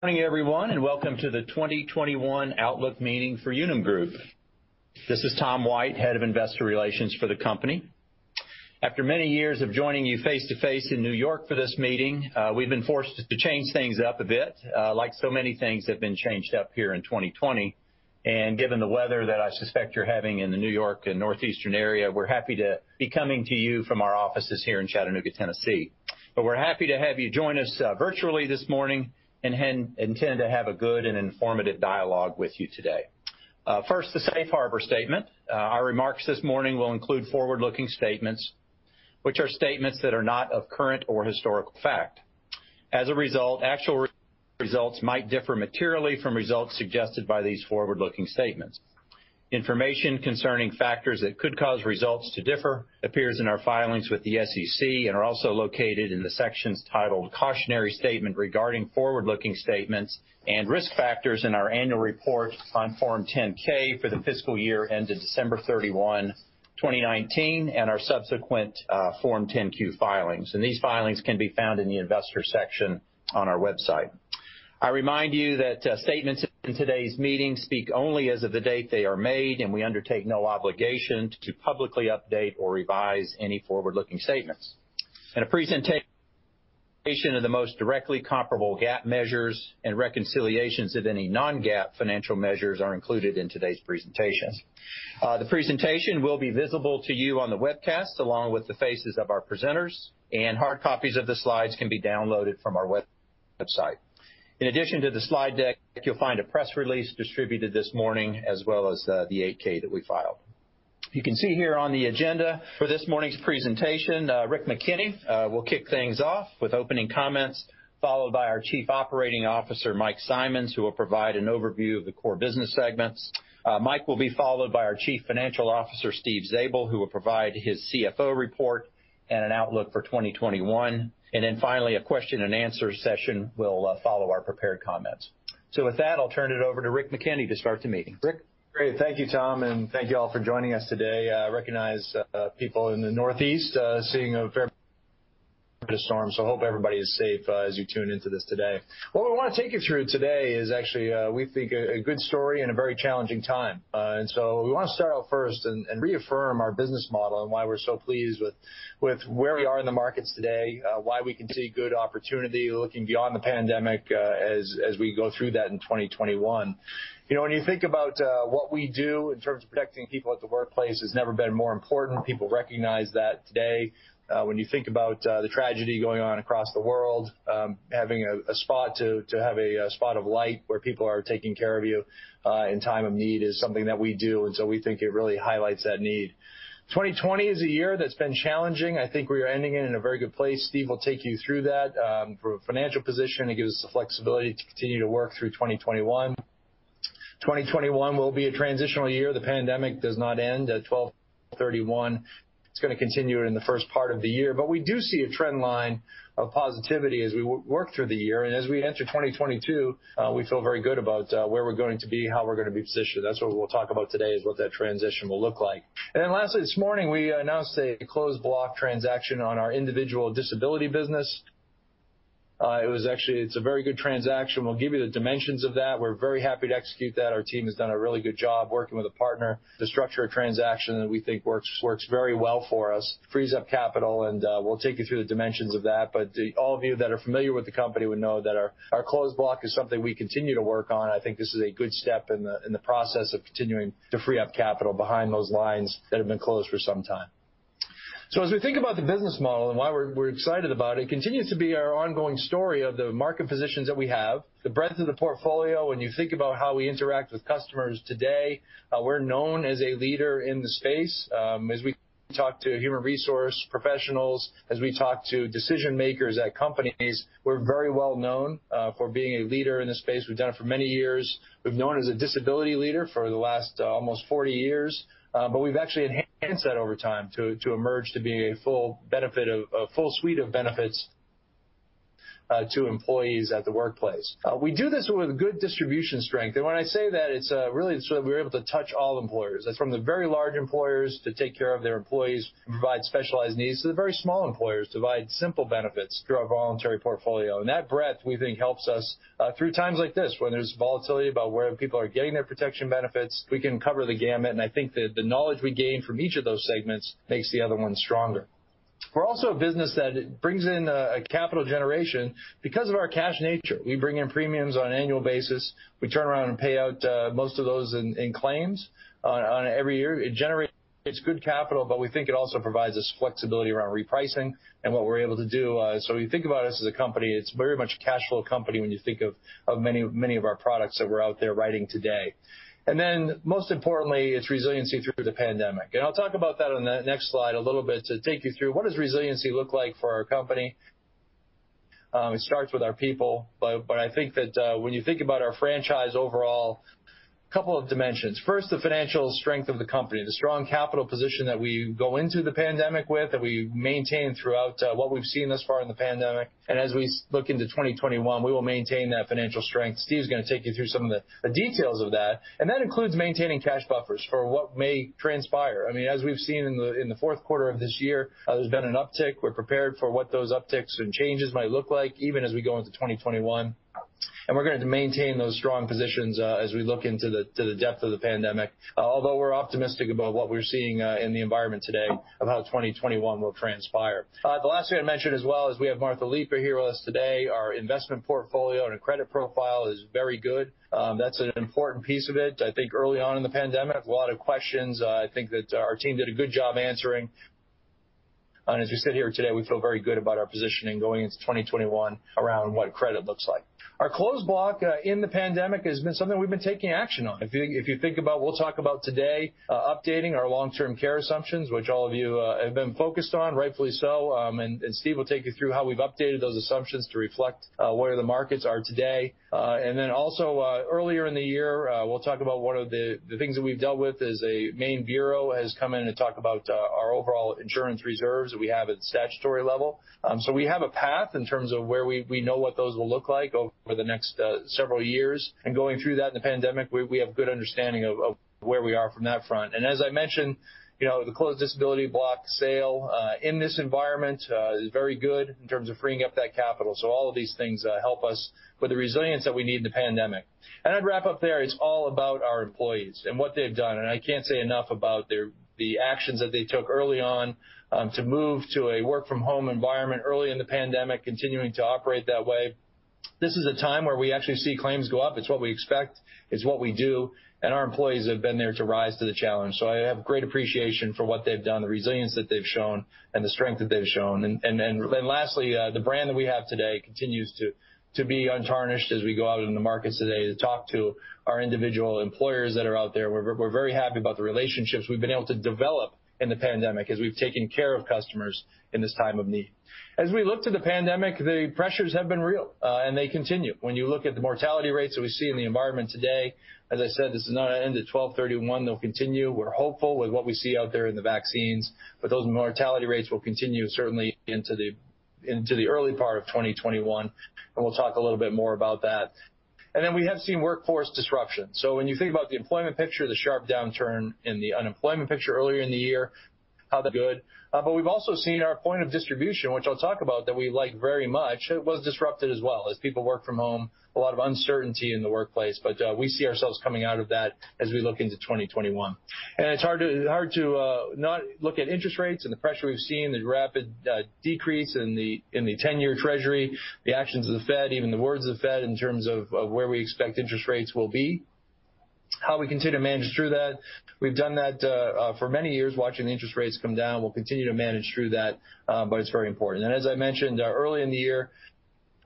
Morning, everyone, welcome to the 2021 Outlook Meeting for Unum Group. This is Tom White, Head of Investor Relations for the company. After many years of joining you face-to-face in New York for this meeting, we've been forced to change things up a bit, like so many things have been changed up here in 2020. Given the weather that I suspect you're having in the New York and northeastern area, we're happy to be coming to you from our offices here in Chattanooga, Tennessee. We're happy to have you join us virtually this morning, intend to have a good and informative dialogue with you today. First, the safe harbor statement. Our remarks this morning will include forward-looking statements, which are statements that are not of current or historical fact. As a result, actual results might differ materially from results suggested by these forward-looking statements. Information concerning factors that could cause results to differ appears in our filings with the SEC and are also located in the sections titled "Cautionary Statement Regarding Forward-Looking Statements" and "Risk Factors" in our annual report on Form 10-K for the fiscal year ended December 31, 2019, our subsequent Form 10-Q filings. These filings can be found in the Investors section on our website. I remind you that statements in today's meeting speak only as of the date they are made, and we undertake no obligation to publicly update or revise any forward-looking statements. A presentation of the most directly comparable GAAP measures and reconciliations of any non-GAAP financial measures are included in today's presentation. The presentation will be visible to you on the webcast, along with the faces of our presenters, and hard copies of the slides can be downloaded from our website. In addition to the slide deck, you'll find a press release distributed this morning, as well as the 8-K that we filed. You can see here on the agenda for this morning's presentation, Rick McKenney will kick things off with opening comments, followed by our Chief Operating Officer, Mike Simonds, who will provide an overview of the core business segments. Mike will be followed by our Chief Financial Officer, Steve Zabel, who will provide his CFO report and an outlook for 2021. Finally, a question and answer session will follow our prepared comments. With that, I'll turn it over to Rick McKenney to start the meeting. Rick? Great. Thank you, Tom, thank you all for joining us today. I recognize people in the Northeast seeing a fair bit of storm, I hope everybody is safe as you tune into this today. What we want to take you through today is actually, we think, a good story and a very challenging time. We want to start out first and reaffirm our business model and why we're so pleased with where we are in the markets today, why we can see good opportunity looking beyond the pandemic as we go through that in 2021. When you think about what we do in terms of protecting people at the workplace, it's never been more important. People recognize that today. When you think about the tragedy going on across the world, having a spot to have a spot of light where people are taking care of you in time of need is something that we do. We think it really highlights that need. 2020 is a year that's been challenging. I think we are ending it in a very good place. Steve will take you through that. From a financial position, it gives us the flexibility to continue to work through 2021. 2021 will be a transitional year. The pandemic does not end at 12/31. It's going to continue in the first part of the year. We do see a trend line of positivity as we work through the year. As we enter 2022, we feel very good about where we're going to be, how we're going to be positioned. That's what we'll talk about today, is what that transition will look like. Lastly, this morning, we announced a closed block transaction on our individual disability business. It's a very good transaction. We'll give you the dimensions of that. We're very happy to execute that. Our team has done a really good job working with a partner. The structure of transaction that we think works very well for us, frees up capital, and we'll take you through the dimensions of that. All of you that are familiar with the company would know that our closed block is something we continue to work on. I think this is a good step in the process of continuing to free up capital behind those lines that have been closed for some time. As we think about the business model and why we're excited about it continues to be our ongoing story of the market positions that we have, the breadth of the portfolio. When you think about how we interact with customers today, we're known as a leader in the space. As we talk to human resource professionals, as we talk to decision-makers at companies, we're very well known for being a leader in this space. We've done it for many years. We've been known as a disability leader for the last almost 40 years. We've actually enhanced that over time to emerge to be a full suite of benefits to employees at the workplace. We do this with good distribution strength. When I say that, it's really so that we're able to touch all employers. That's from the very large employers to take care of their employees, provide specialized needs, to the very small employers, provide simple benefits through our voluntary portfolio. That breadth, we think helps us through times like this, when there's volatility about where people are getting their protection benefits, we can cover the gamut. I think that the knowledge we gain from each of those segments makes the other one stronger. We're also a business that brings in a capital generation because of our cash nature. We bring in premiums on an annual basis. We turn around and pay out most of those in claims every year. It generates good capital, but we think it also provides us flexibility around repricing and what we're able to do. When you think about us as a company, it's very much a cash flow company when you think of many of our products that we're out there writing today. Most importantly, it's resiliency through the pandemic. I'll talk about that on the next slide a little bit to take you through what does resiliency look like for our company? It starts with our people. I think that when you think about our franchise overall, a couple of dimensions. First, the financial strength of the company, the strong capital position that we go into the pandemic with, that we maintain throughout what we've seen thus far in the pandemic, and as we look into 2021, we will maintain that financial strength. Steve's going to take you through some of the details of that, and that includes maintaining cash buffers for what may transpire. As we've seen in the fourth quarter of this year, there's been an uptick. We're prepared for what those upticks and changes might look like even as we go into 2021. We're going to maintain those strong positions as we look into the depth of the pandemic. Although we're optimistic about what we're seeing in the environment today of how 2021 will transpire. The last thing I'd mention as well is we have Martha Leiper here with us today. Our investment portfolio and our credit profile is very good. That's an important piece of it. I think early on in the pandemic, a lot of questions, I think that our team did a good job answering. As we sit here today, we feel very good about our positioning going into 2021 around what credit looks like. Our closed block in the pandemic has been something we've been taking action on. If you think about, we'll talk about today, updating our long-term care assumptions, which all of you have been focused on, rightfully so, and Steve will take you through how we've updated those assumptions to reflect where the markets are today. Also, earlier in the year, we'll talk about one of the things that we've dealt with is a Maine Bureau has come in to talk about our overall insurance reserves that we have at the statutory level. We have a path in terms of where we know what those will look like over the next several years. Going through that in the pandemic, we have good understanding of where we are from that front. As I mentioned, the closed disability block sale in this environment is very good in terms of freeing up that capital. All of these things help us with the resilience that we need in the pandemic. I'd wrap up there, it's all about our employees and what they've done, and I can't say enough about the actions that they took early on to move to a work from home environment early in the pandemic, continuing to operate that way. This is a time where we actually see claims go up. It's what we expect. It's what we do, and our employees have been there to rise to the challenge. I have great appreciation for what they've done, the resilience that they've shown, and the strength that they've shown. Lastly, the brand that we have today continues to be untarnished as we go out into the markets today to talk to our individual employers that are out there. We're very happy about the relationships we've been able to develop in the pandemic as we've taken care of customers in this time of need. As we look to the pandemic, the pressures have been real, and they continue. When you look at the mortality rates that we see in the environment today, as I said, this is not going to end at 12/31. They'll continue. We're hopeful with what we see out there in the vaccines. Those mortality rates will continue certainly into the early part of 2021, and we'll talk a little bit more about that. We have seen workforce disruption. When you think about the employment picture, the sharp downturn in the unemployment picture earlier in the year. We've also seen our point of distribution, which I'll talk about that we like very much, was disrupted as well as people work from home, a lot of uncertainty in the workplace. We see ourselves coming out of that as we look into 2021. It's hard to not look at interest rates and the pressure we've seen, the rapid decrease in the 10-year Treasury, the actions of the Fed, even the words of the Fed in terms of where we expect interest rates will be, how we continue to manage through that. We've done that for many years, watching interest rates come down. We'll continue to manage through that. It's very important. As I mentioned early in the year,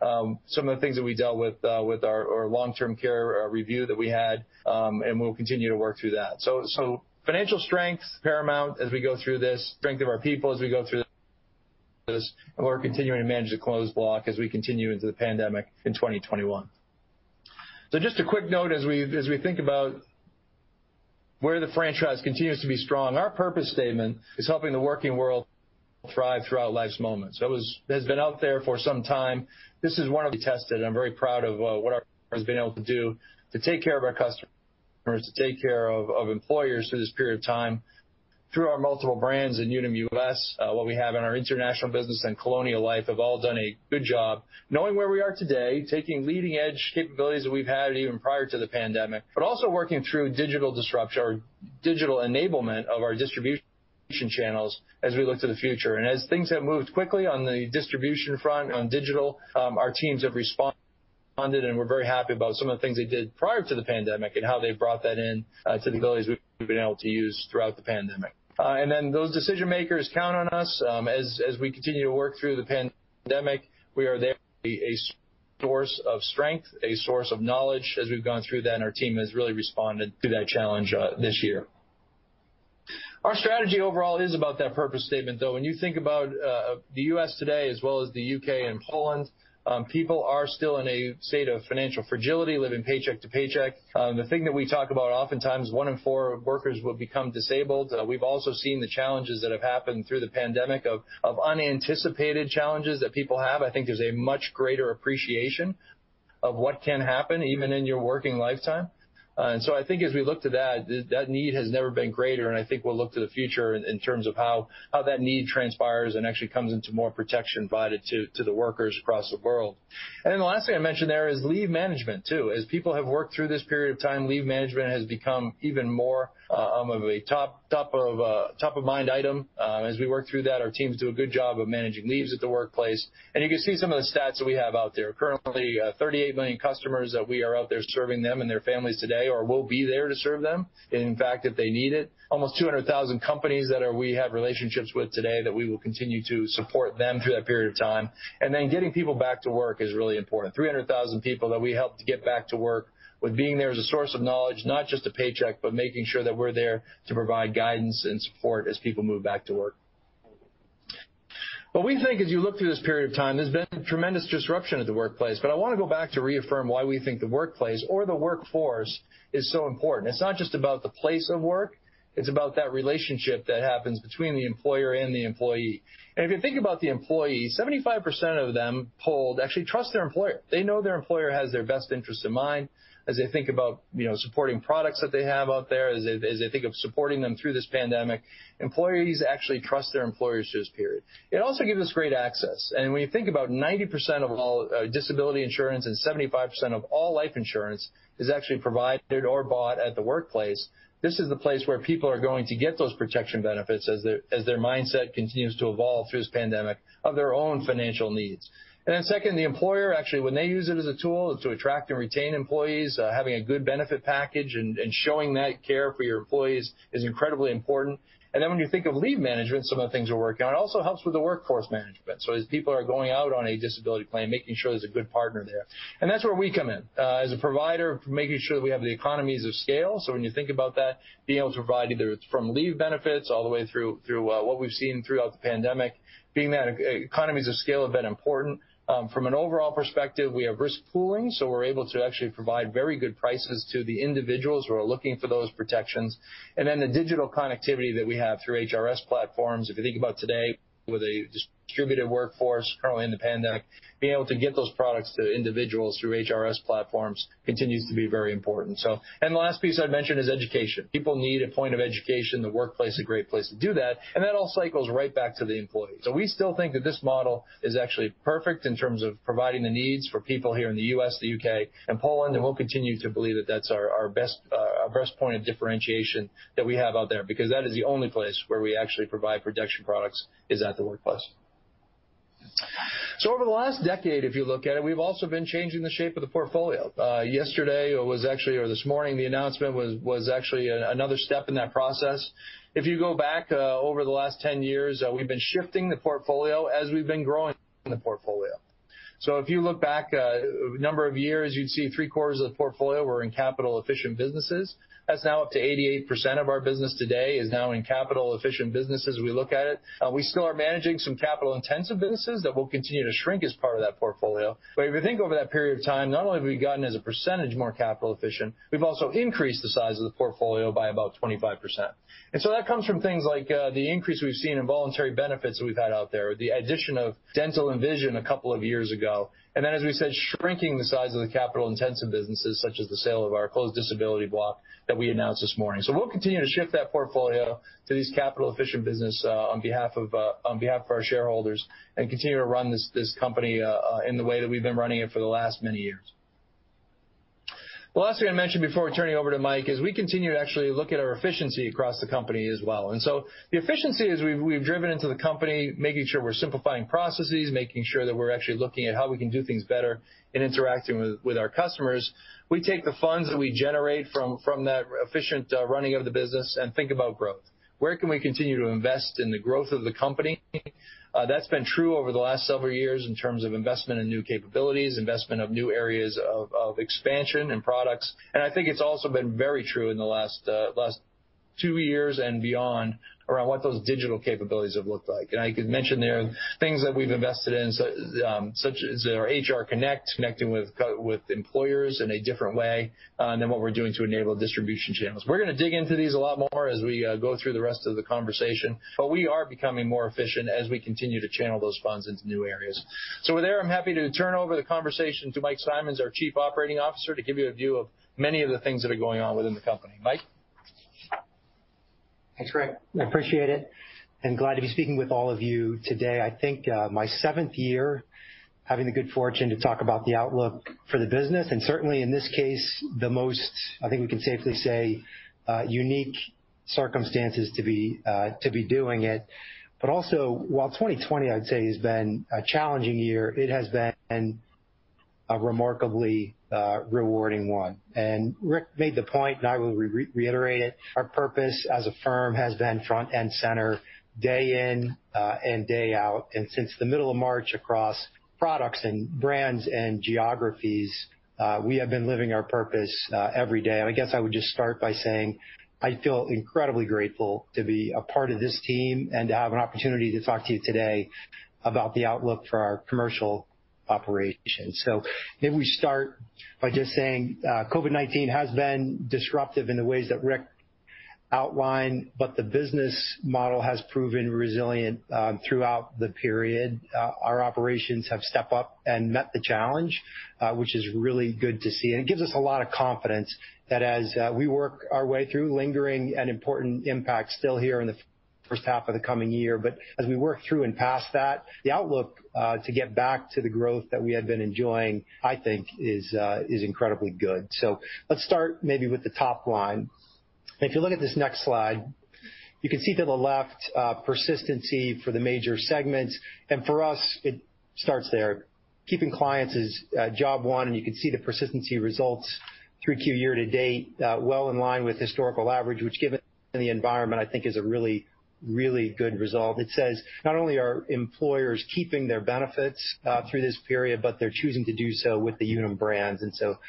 some of the things that we dealt with our long-term care review that we had, and we'll continue to work through that. Financial strength paramount as we go through this, strength of our people as we go through this, and we're continuing to manage the closed block as we continue into the pandemic in 2021. Just a quick note as we think about where the franchise continues to be strong, our purpose statement is helping the working world thrive throughout life's moments. That has been out there for some time. This is one of the tested, and I'm very proud of what our partners have been able to do to take care of our customers, to take care of employers through this period of time, through our multiple brands in Unum US, what we have in our Unum International business and Colonial Life have all done a good job knowing where we are today, taking leading-edge capabilities that we've had even prior to the pandemic, but also working through digital disruption or digital enablement of our distribution channels as we look to the future. As things have moved quickly on the distribution front on digital, our teams have responded, and we're very happy about some of the things they did prior to the pandemic and how they brought that in to the abilities we've been able to use throughout the pandemic. Those decision-makers count on us as we continue to work through the pandemic. We are there to be a source of strength, a source of knowledge as we've gone through that, and our team has really responded to that challenge this year. Our strategy overall is about that purpose statement, though. When you think about the U.S. today as well as the U.K. and Poland, people are still in a state of financial fragility, living paycheck to paycheck. The thing that we talk about oftentimes, one in four workers will become disabled. We've also seen the challenges that have happened through the pandemic of unanticipated challenges that people have. I think there's a much greater appreciation of what can happen even in your working lifetime. I think as we look to that need has never been greater, and I think we'll look to the future in terms of how that need transpires and actually comes into more protection provided to the workers across the world. The last thing I mentioned there is leave management, too. As people have worked through this period of time, leave management has become even more of a top-of-mind item. As we work through that, our teams do a good job of managing leaves at the workplace, and you can see some of the stats that we have out there. Currently, 38 million customers that we are out there serving them and their families today or will be there to serve them, in fact, if they need it. Almost 200,000 companies that we have relationships with today that we will continue to support them through that period of time. Getting people back to work is really important. 300,000 people that we helped to get back to work with being there as a source of knowledge, not just a paycheck, but making sure that we're there to provide guidance and support as people move back to work. Well, we think as you look through this period of time, there's been tremendous disruption of the workplace, but I want to go back to reaffirm why we think the workplace or the workforce is so important. It's not just about the place of work, it's about that relationship that happens between the employer and the employee. If you think about the employee, 75% of them polled actually trust their employer. They know their employer has their best interest in mind as they think about supporting products that they have out there, as they think of supporting them through this pandemic. Employees actually trust their employers through this period. It also gives us great access. When you think about 90% of all disability insurance and 75% of all life insurance is actually provided or bought at the workplace, this is the place where people are going to get those protection benefits as their mindset continues to evolve through this pandemic of their own financial needs. Second, the employer actually when they use it as a tool to attract and retain employees, having a good benefit package and showing that care for your employees is incredibly important. When you think of leave management, some of the things we're working on, it also helps with the workforce management. As people are going out on a disability claim, making sure there's a good partner there. That's where we come in. As a provider, making sure that we have the economies of scale. When you think about that, being able to provide either from leave benefits all the way through what we've seen throughout the pandemic, being that economies of scale have been important. From an overall perspective, we have risk pooling, we're able to actually provide very good prices to the individuals who are looking for those protections. The digital connectivity that we have through HRIS platforms. If you think about today with a distributed workforce currently in the pandemic, being able to get those products to individuals through HRIS platforms continues to be very important. The last piece I'd mention is education. People need a point of education, the workplace a great place to do that, and that all cycles right back to the employee. We still think that this model is actually perfect in terms of providing the needs for people here in the U.S., the U.K., and Poland, and we'll continue to believe that that's our best point of differentiation that we have out there, because that is the only place where we actually provide protection products is at the workplace. Over the last decade, if you look at it, we've also been changing the shape of the portfolio. Yesterday or this morning, the announcement was actually another step in that process. If you go back over the last 10 years, we've been shifting the portfolio as we've been growing the portfolio. If you look back a number of years, you'd see three-quarters of the portfolio were in capital-efficient businesses. That's now up to 88% of our business today is now in capital-efficient businesses as we look at it. We still are managing some capital-intensive businesses that will continue to shrink as part of that portfolio. If you think over that period of time, not only have we gotten as a percentage more capital efficient, we've also increased the size of the portfolio by about 25%. That comes from things like the increase we've seen in voluntary benefits that we've had out there, the addition of dental and vision a couple of years ago. As we said, shrinking the size of the capital-intensive businesses such as the sale of our closed disability block that we announced this morning. We'll continue to shift that portfolio to these capital-efficient business on behalf of our shareholders and continue to run this company in the way that we've been running it for the last many years. The last thing I mentioned before turning it over to Mike is we continue to actually look at our efficiency across the company as well. The efficiency is we've driven into the company, making sure we're simplifying processes, making sure that we're actually looking at how we can do things better in interacting with our customers. We take the funds that we generate from that efficient running of the business and think about growth. Where can we continue to invest in the growth of the company? That's been true over the last several years in terms of investment in new capabilities, investment of new areas of expansion and products. I think it's also been very true in the last two years and beyond around what those digital capabilities have looked like. I could mention there things that we've invested in, such as our HR Connect, connecting with employers in a different way than what we're doing to enable distribution channels. We're going to dig into these a lot more as we go through the rest of the conversation, but we are becoming more efficient as we continue to channel those funds into new areas. With there, I'm happy to turn over the conversation to Mike Simonds, our Chief Operating Officer, to give you a view of many of the things that are going on within the company. Mike? Thanks, Rick McKenney. I appreciate it, glad to be speaking with all of you today. I think my seventh year having the good fortune to talk about the outlook for the business, certainly in this case, the most, I think we can safely say, unique circumstances to be doing it. Also, while 2020, I'd say, has been a challenging year, it has been a remarkably rewarding one. Rick McKenney made the point, I will reiterate it, our purpose as a firm has been front and center day in and day out. Since the middle of March across products and brands and geographies, we have been living our purpose every day. I guess I would just start by saying I feel incredibly grateful to be a part of this team and to have an opportunity to talk to you today about the outlook for our commercial operations. Maybe we start by just saying COVID-19 has been disruptive in the ways that Rick McKenney outlined, the business model has proven resilient throughout the period. Our operations have stepped up and met the challenge, which is really good to see. It gives us a lot of confidence that as we work our way through lingering and important impacts still here in the first half of the coming year, as we work through and past that, the outlook to get back to the growth that we have been enjoying, I think is incredibly good. Let's start maybe with the top line. If you look at this next slide, you can see to the left persistency for the major segments, for us, it starts there. Keeping clients is job one, you can see the persistency results through Q year to date well in line with historical average, which given the environment, I think is a really good result. It says not only are employers keeping their benefits through this period, they're choosing to do so with the Unum brands.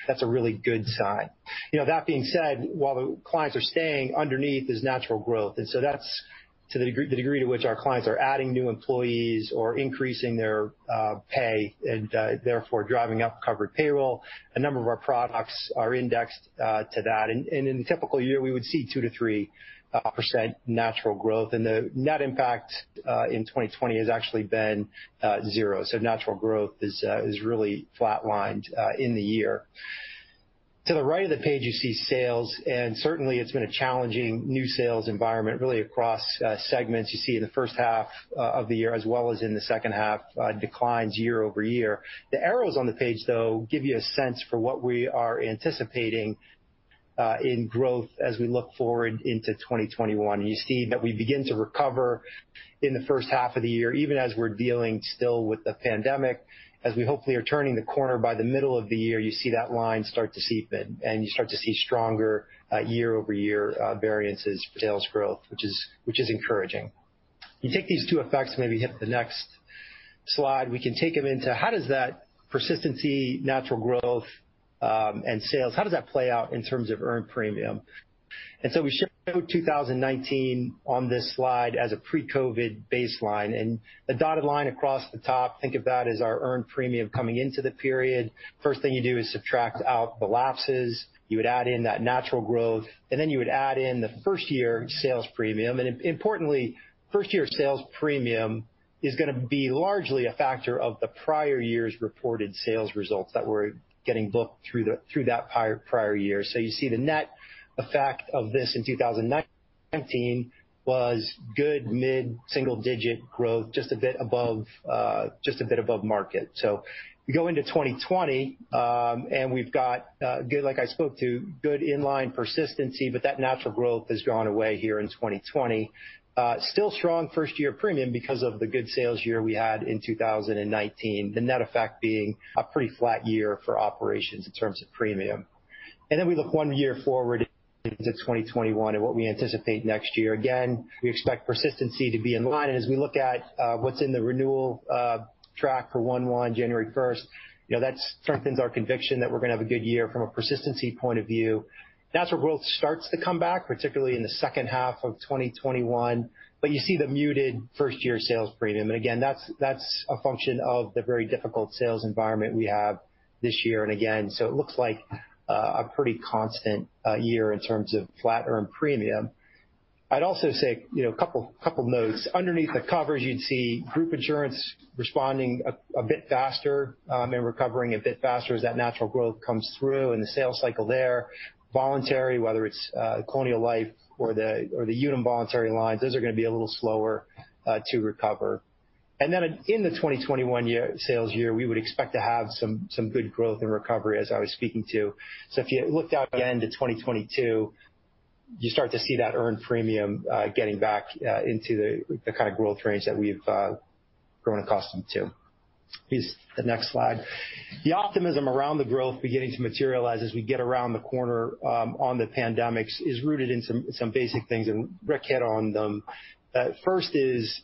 That's a really good sign. That being said, while the clients are staying, underneath is natural growth, that's to the degree to which our clients are adding new employees or increasing their pay and therefore driving up covered payroll. A number of our products are indexed to that. In a typical year, we would see 2% to 3% natural growth. The net impact in 2020 has actually been zero. Natural growth has really flat lined in the year. To the right of the page, you see sales, and certainly it's been a challenging new sales environment, really across segments. You see in the first half of the year as well as in the second half declines year-over-year. The arrows on the page, though, give you a sense for what we are anticipating in growth as we look forward into 2021. You see that we begin to recover in the first half of the year, even as we're dealing still with the COVID-19 pandemic, as we hopefully are turning the corner by the middle of the year, you see that line start to steepen, and you start to see stronger year-over-year variances for sales growth, which is encouraging. You take these two effects, maybe hit the next slide. We can take them into how does that persistency, natural growth, and sales, how does that play out in terms of earned premium? We show 2019 on this slide as a pre-COVID baseline. The dotted line across the top, think of that as our earned premium coming into the period. First thing you do is subtract out the lapses. You would add in that natural growth, and then you would add in the first-year sales premium. Importantly, first-year sales premium is going to be largely a factor of the prior year's reported sales results that were getting booked through that prior year. You see the net effect of this in 2019 was good mid-single-digit growth, just a bit above market. We go into 2020, and we've got, like I spoke to, good in-line persistency, but that natural growth has gone away here in 2020. Still strong first-year premium because of the good sales year we had in 2019, the net effect being a pretty flat year for operations in terms of premium. We look one year forward into 2021 at what we anticipate next year. Again, we expect persistency to be in-line, and as we look at what's in the renewal track for 1/1, January 1st, that strengthens our conviction that we're going to have a good year from a persistency point of view. Natural growth starts to come back, particularly in the second half of 2021. You see the muted first-year sales premium. Again, that's a function of the very difficult sales environment we have this year. It looks like a pretty constant year in terms of flat earned premium. I'd also say a couple of notes. Underneath the covers, you'd see group insurance responding a bit faster and recovering a bit faster as that natural growth comes through in the sales cycle there. Voluntary, whether it's Colonial Life or the Unum Voluntary lines, those are going to be a little slower to recover. In the 2021 sales year, we would expect to have some good growth and recovery as I was speaking to. If you looked out again to 2022, you start to see that earned premium getting back into the kind of growth range that we've grown accustomed to. Please, the next slide. The optimism around the growth beginning to materialize as we get around the corner on the pandemics is rooted in some basic things. Rick hit on them. First is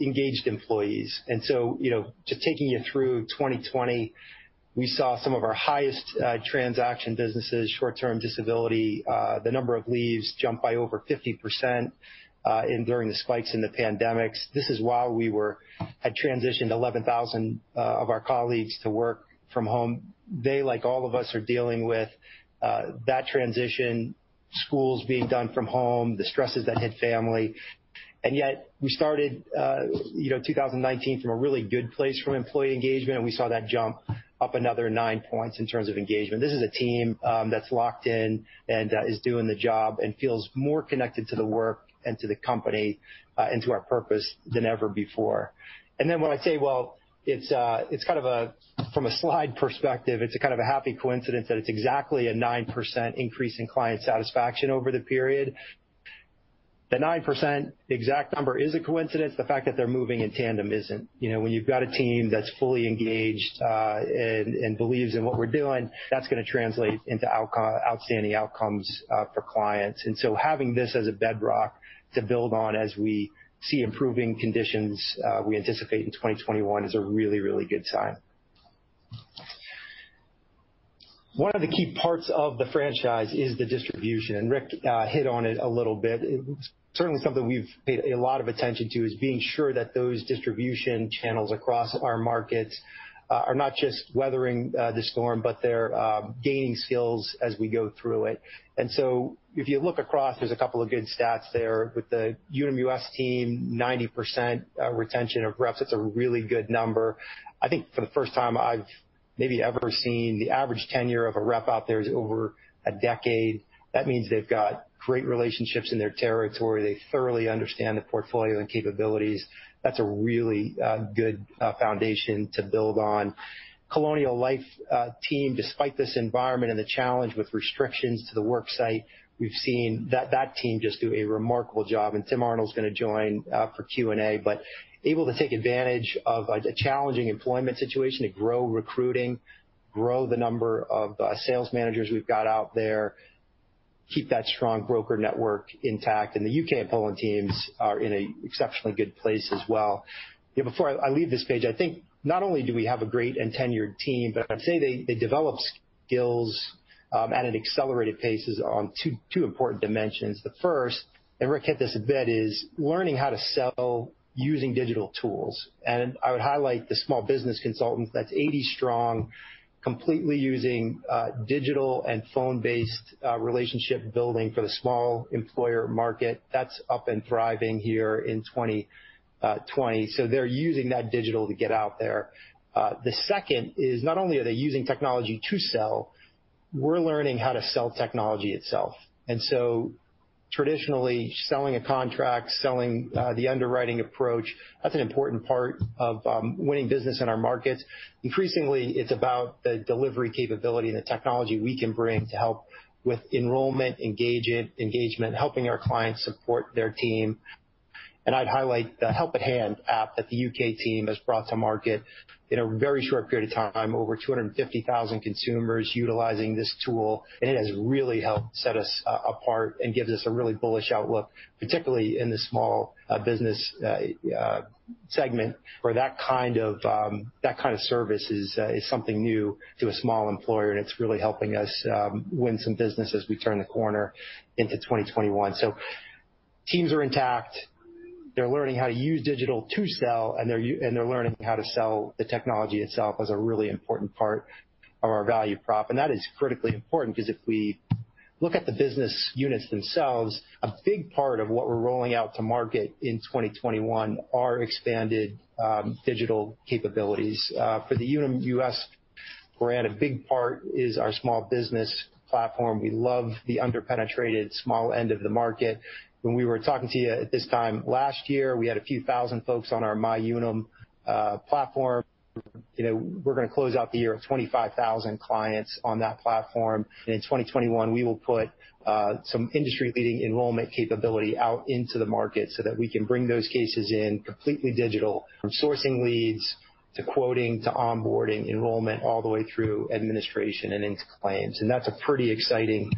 engaged employees. Just taking you through 2020, we saw some of our highest transaction businesses, short-term disability, the number of leaves jump by over 50% during the spikes in the pandemics. This is while we had transitioned 11,000 of our colleagues to work from home. They, like all of us, are dealing with that transition, schools being done from home, the stresses that hit family. Yet we started 2019 from a really good place from employee engagement, and we saw that jump up another nine points in terms of engagement. This is a team that's locked in and is doing the job and feels more connected to the work and to the company and to our purpose than ever before. Then when I say, well, from a slide perspective, it's a kind of a happy coincidence that it's exactly a 9% increase in client satisfaction over the period. The 9%, the exact number is a coincidence. The fact that they're moving in tandem isn't. When you've got a team that's fully engaged and believes in what we're doing, that's going to translate into outstanding outcomes for clients. So having this as a bedrock to build on as we see improving conditions we anticipate in 2021 is a really, really good sign. One of the key parts of the franchise is the distribution. Rick hit on it a little bit. It's certainly something we've paid a lot of attention to, is being sure that those distribution channels across our markets are not just weathering the storm, but they're gaining skills as we go through it. So if you look across, there's a couple of good stats there with the Unum US team, 90% retention of reps. That's a really good number. I think for the first time I've maybe ever seen the average tenure of a rep out there is over a decade. That means they've got great relationships in their territory. They thoroughly understand the portfolio and capabilities. That's a really good foundation to build on. Colonial Life team, despite this environment and the challenge with restrictions to the work site, we've seen that team just do a remarkable job. Tim Arnold's going to join for Q&A. Able to take advantage of a challenging employment situation to grow recruiting, grow the number of sales managers we've got out there. Keep that strong broker network intact. The U.K. and Poland teams are in an exceptionally good place as well. Before I leave this page, I think not only do we have a great and tenured team, but I'd say they develop skills at an accelerated pace on two important dimensions. The first, Rick hit this a bit, is learning how to sell using digital tools. I would highlight the small business consultants that's 80 strong, completely using digital and phone-based relationship building for the small employer market. That's up and thriving here in 2020. So they're using that digital to get out there. The second is not only are they using technology to sell, we're learning how to sell technology itself. Traditionally, selling a contract, selling the underwriting approach, that is an important part of winning business in our markets. Increasingly, it is about the delivery capability and the technology we can bring to help with enrollment, engagement, helping our clients support their team. I would highlight the Help@hand app that the U.K. team has brought to market in a very short period of time, over 250,000 consumers utilizing this tool, and it has really helped set us apart and gives us a really bullish outlook, particularly in the small business segment where that kind of service is something new to a small employer, and it is really helping us win some business as we turn the corner into 2021. Teams are intact. They are learning how to use digital to sell, and they are learning how to sell the technology itself as a really important part of our value prop. That is critically important because if we look at the business units themselves, a big part of what we are rolling out to market in 2021 are expanded digital capabilities. For the Unum US brand, a big part is our small business platform. We love the under-penetrated small end of the market. When we were talking to you at this time last year, we had a few thousand folks on our MyUnum platform. We are going to close out the year with 25,000 clients on that platform. In 2021, we will put some industry-leading enrollment capability out into the market so that we can bring those cases in completely digital, from sourcing leads to quoting, to onboarding, enrollment, all the way through administration and into claims. That is a pretty exciting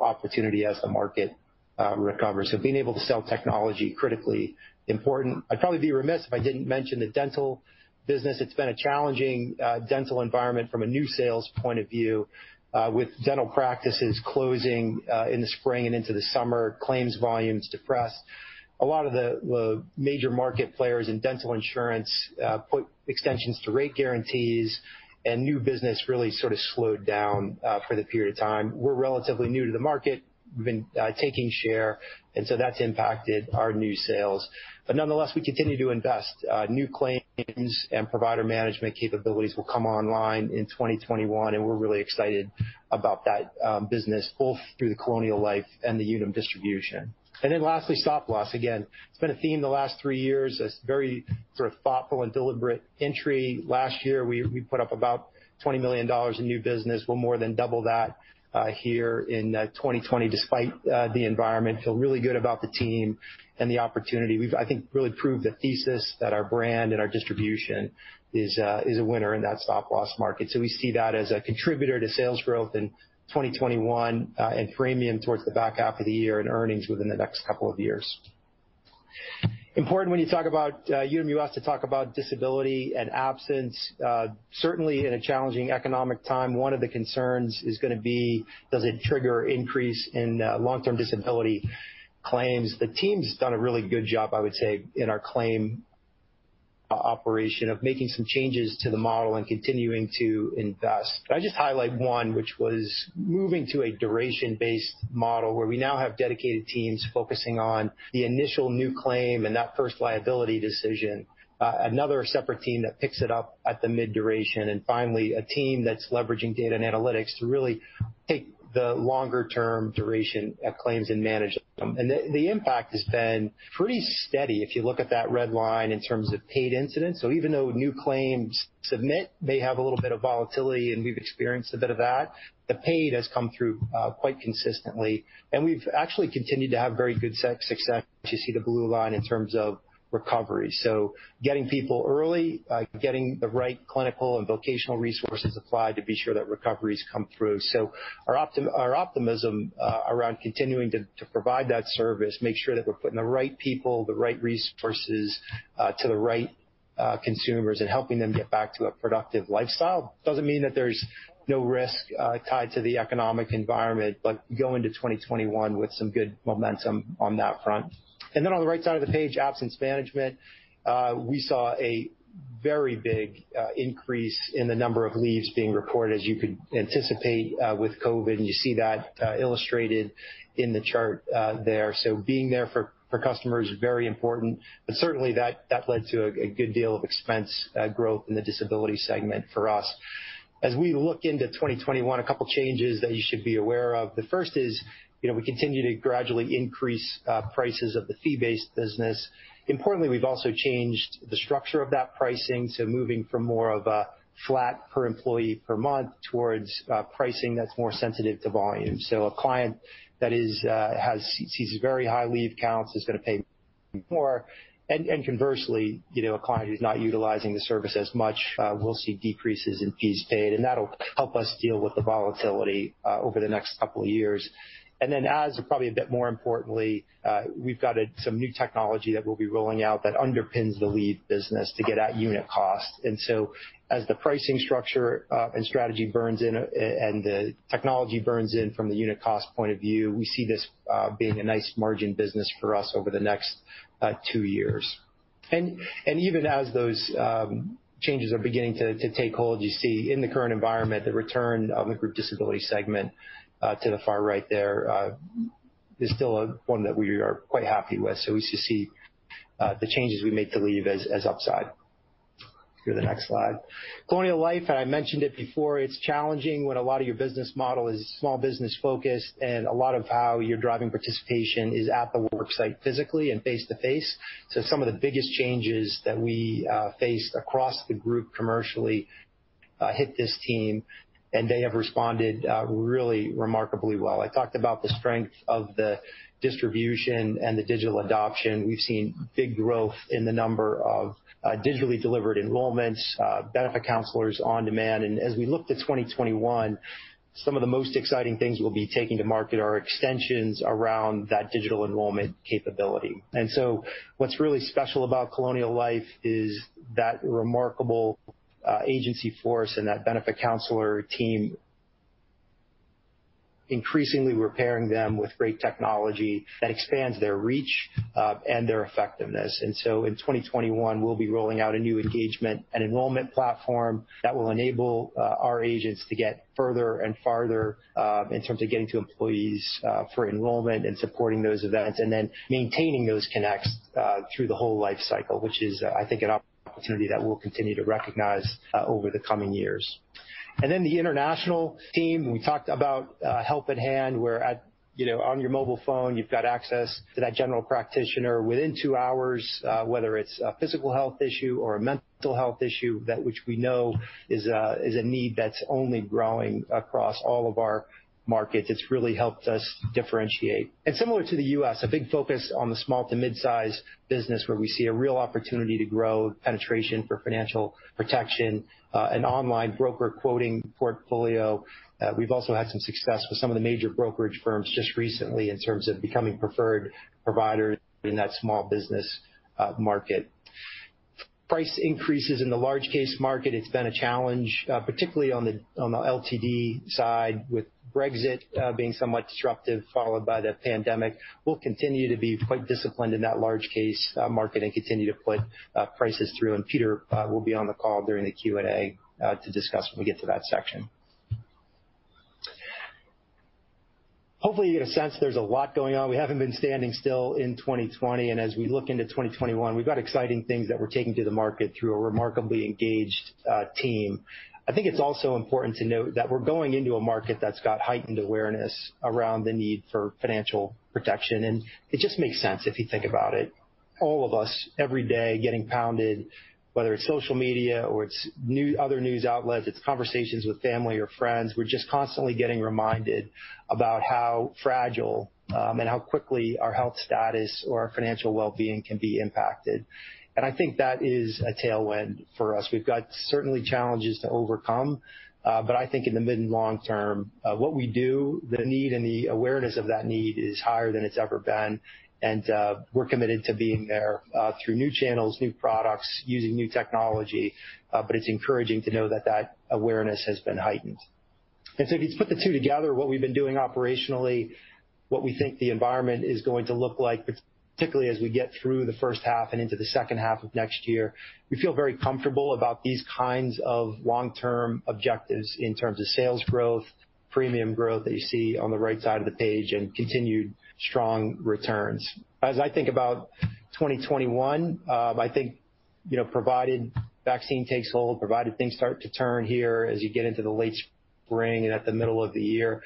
opportunity as the market recovers. Being able to sell technology, critically important. I would probably be remiss if I did not mention the dental business. It has been a challenging dental environment from a new sales point of view with dental practices closing in the spring and into the summer, claims volumes depressed. A lot of the major market players in dental insurance put extensions to rate guarantees, and new business really sort of slowed down for the period of time. We are relatively new to the market. We have been taking share, and so that has impacted our new sales. Nonetheless, we continue to invest. New claims and provider management capabilities will come online in 2021, and we are really excited about that business, both through the Colonial Life and the Unum distribution. Then lastly, stop loss. Again, it has been a theme the last three years as very sort of thoughtful and deliberate entry. Last year, we put up about $20 million in new business. We will more than double that here in 2020 despite the environment. Feel really good about the team and the opportunity. We have, I think, really proved the thesis that our brand and our distribution is a winner in that stop loss market. So we see that as a contributor to sales growth in 2021 and premium towards the back half of the year and earnings within the next couple of years. Important when you talk about Unum US to talk about disability and absence. Certainly in a challenging economic time, one of the concerns is going to be does it trigger an increase in long-term disability claims? The team has done a really good job, I would say, in our claim operation of making some changes to the model and continuing to invest. I'd just highlight one, which was moving to a duration-based model where we now have dedicated teams focusing on the initial new claim and that first liability decision. Another separate team that picks it up at the mid-duration, and finally, a team that's leveraging data and analytics to really take the longer-term duration claims and manage them. The impact has been pretty steady if you look at that red line in terms of paid incidents. Even though new claims submit may have a little bit of volatility, and we've experienced a bit of that, the paid has come through quite consistently, and we've actually continued to have very good success, which you see the blue line, in terms of recovery. Getting people early, getting the right clinical and vocational resources applied to be sure that recoveries come through. Our optimism around continuing to provide that service, make sure that we're putting the right people, the right resources to the right consumers and helping them get back to a productive lifestyle. Doesn't mean that there's no risk tied to the economic environment, but go into 2021 with some good momentum on that front. On the right side of the page, absence management. We saw a very big increase in the number of leaves being reported as you could anticipate with COVID-19, and you see that illustrated in the chart there. Being there for customers is very important, but certainly that led to a good deal of expense growth in the disability segment for us. We look into 2021, a couple changes that you should be aware of. The first is we continue to gradually increase prices of the fee-based business. Importantly, we've also changed the structure of that pricing, moving from more of a flat per employee per month towards pricing that's more sensitive to volume. A client that sees very high leave counts is going to pay more, and conversely, a client who's not utilizing the service as much will see decreases in fees paid, and that'll help us deal with the volatility over the next couple of years. As probably a bit more importantly, we've got some new technology that we'll be rolling out that underpins the leave business to get at unit cost. As the pricing structure and strategy burns in, and the technology burns in from the unit cost point of view, we see this being a nice margin business for us over the next two years. Even as those changes are beginning to take hold, you see in the current environment, the return of the group disability segment, to the far right there, is still one that we are quite happy with. We see the changes we made to leave as upside. Go to the next slide. Colonial Life, I mentioned it before, it's challenging when a lot of your business model is small business focused, and a lot of how you're driving participation is at the work site physically and face-to-face. Some of the biggest changes that we faced across the group commercially hit this team, and they have responded really remarkably well. I talked about the strength of the distribution and the digital adoption. We've seen big growth in the number of digitally delivered enrollments, benefit counselors on demand. As we look to 2021, some of the most exciting things we'll be taking to market are extensions around that digital enrollment capability. What's really special about Colonial Life is that remarkable agency force and that benefit counselor team, increasingly repairing them with great technology that expands their reach and their effectiveness. In 2021, we'll be rolling out a new engagement and enrollment platform that will enable our agents to get further and farther in terms of getting to employees for enrollment and supporting those events, then maintaining those connects through the whole life cycle, which is, I think, an opportunity that we'll continue to recognize over the coming years. The international team, we talked about Help@hand, where on your mobile phone, you've got access to that general practitioner within two hours, whether it's a physical health issue or a mental health issue, that which we know is a need that's only growing across all of our markets. It's really helped us differentiate. Similar to the U.S., a big focus on the small to mid-size business where we see a real opportunity to grow penetration for financial protection, an online broker quoting portfolio. We've also had some success with some of the major brokerage firms just recently in terms of becoming preferred providers in that small business market. Price increases in the large case market, it's been a challenge, particularly on the LTD side with Brexit being somewhat disruptive, followed by the pandemic. We'll continue to be quite disciplined in that large case market and continue to put prices through. Peter will be on the call during the Q&A to discuss when we get to that section. Hopefully, you get a sense there's a lot going on. We haven't been standing still in 2020, as we look into 2021, we've got exciting things that we're taking to the market through a remarkably engaged team. I think it's also important to note that we're going into a market that's got heightened awareness around the need for financial protection, it just makes sense if you think about it. All of us, every day, getting pounded, whether it's social media or it's other news outlets, it's conversations with family or friends. We're just constantly getting reminded about how fragile, and how quickly our health status or our financial well-being can be impacted. I think that is a tailwind for us. We've got certainly challenges to overcome, I think in the mid- and long-term, what we do, the need and the awareness of that need is higher than it's ever been, we're committed to being there through new channels, new products, using new technology. It's encouraging to know that that awareness has been heightened. If you put the two together, what we've been doing operationally, what we think the environment is going to look like, particularly as we get through the first half and into the second half of next year, we feel very comfortable about these kinds of long-term objectives in terms of sales growth, premium growth that you see on the right side of the page, continued strong returns. As I think about 2021, I think provided vaccine takes hold, provided things start to turn here as you get into the late spring and at the middle of the year,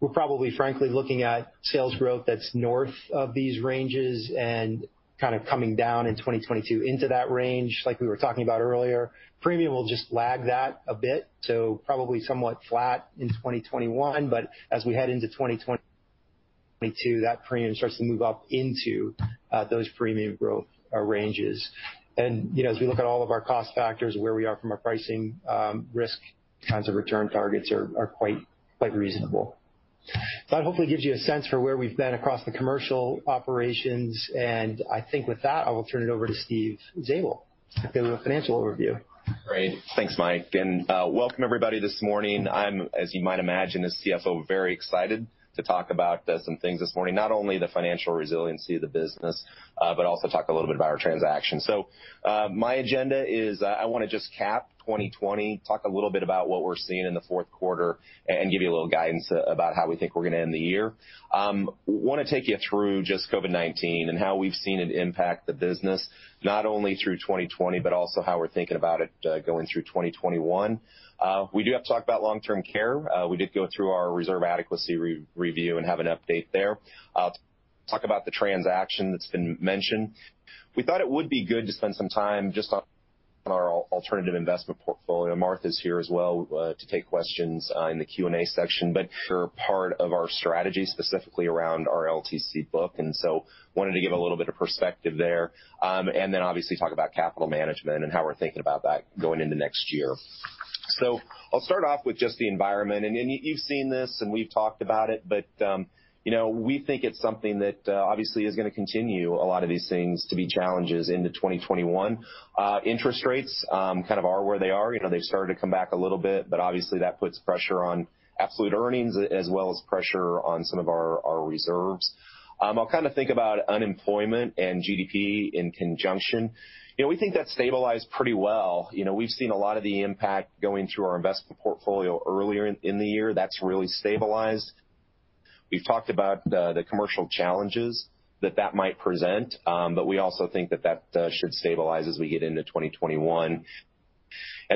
we're probably frankly looking at sales growth that's north of these ranges and kind of coming down in 2022 into that range like we were talking about earlier. Premium will just lag that a bit, so probably somewhat flat in 2021, but as we head into 2022, that premium starts to move up into those premium growth ranges. As we look at all of our cost factors and where we are from a pricing risk, kinds of return targets are quite reasonable. That hopefully gives you a sense for where we've been across the commercial operations, and I think with that, I will turn it over to Steve Zabel to give you a financial overview. Great. Thanks, Mike. Welcome everybody this morning. I'm, as you might imagine, as CFO, very excited to talk about some things this morning, not only the financial resiliency of the business, but also talk a little bit about our transaction. My agenda is I want to just cap 2020, talk a little bit about what we're seeing in the fourth quarter, and give you a little guidance about how we think we're going to end the year. Want to take you through just COVID-19 and how we've seen it impact the business, not only through 2020, but also how we're thinking about it going through 2021. We do have to talk about long-term care. We did go through our reserve adequacy review and have an update there. Talk about the transaction that's been mentioned. We thought it would be good to spend some time just on Our alternative investment portfolio. Mark is here as well to take questions in the Q&A section, but part of our strategy, specifically around our LTC book, wanted to give a little bit of perspective there, then obviously talk about capital management and how we're thinking about that going into next year. I'll start off with just the environment, you've seen this, we've talked about it, but we think it's something that obviously is going to continue, a lot of these things, to be challenges into 2021. Interest rates kind of are where they are. They've started to come back a little bit, but obviously that puts pressure on absolute earnings as well as pressure on some of our reserves. I'll kind of think about unemployment and GDP in conjunction. We think that stabilized pretty well. We've seen a lot of the impact going through our investment portfolio earlier in the year. That's really stabilized. We've talked about the commercial challenges that that might present, but we also think that that should stabilize as we get into 2021.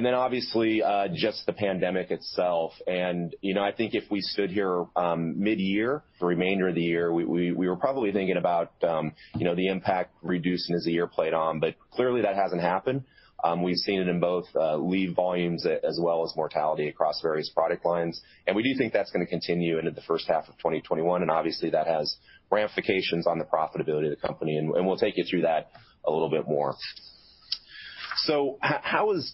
Obviously, just the pandemic itself. I think if we stood here mid-year, for the remainder of the year, we were probably thinking about the impact reducing as the year played on. Clearly that hasn't happened. We've seen it in both leave volumes as well as mortality across various product lines. We do think that's going to continue into the first half of 2021, obviously that has ramifications on the profitability of the company, we'll take you through that a little bit more. How has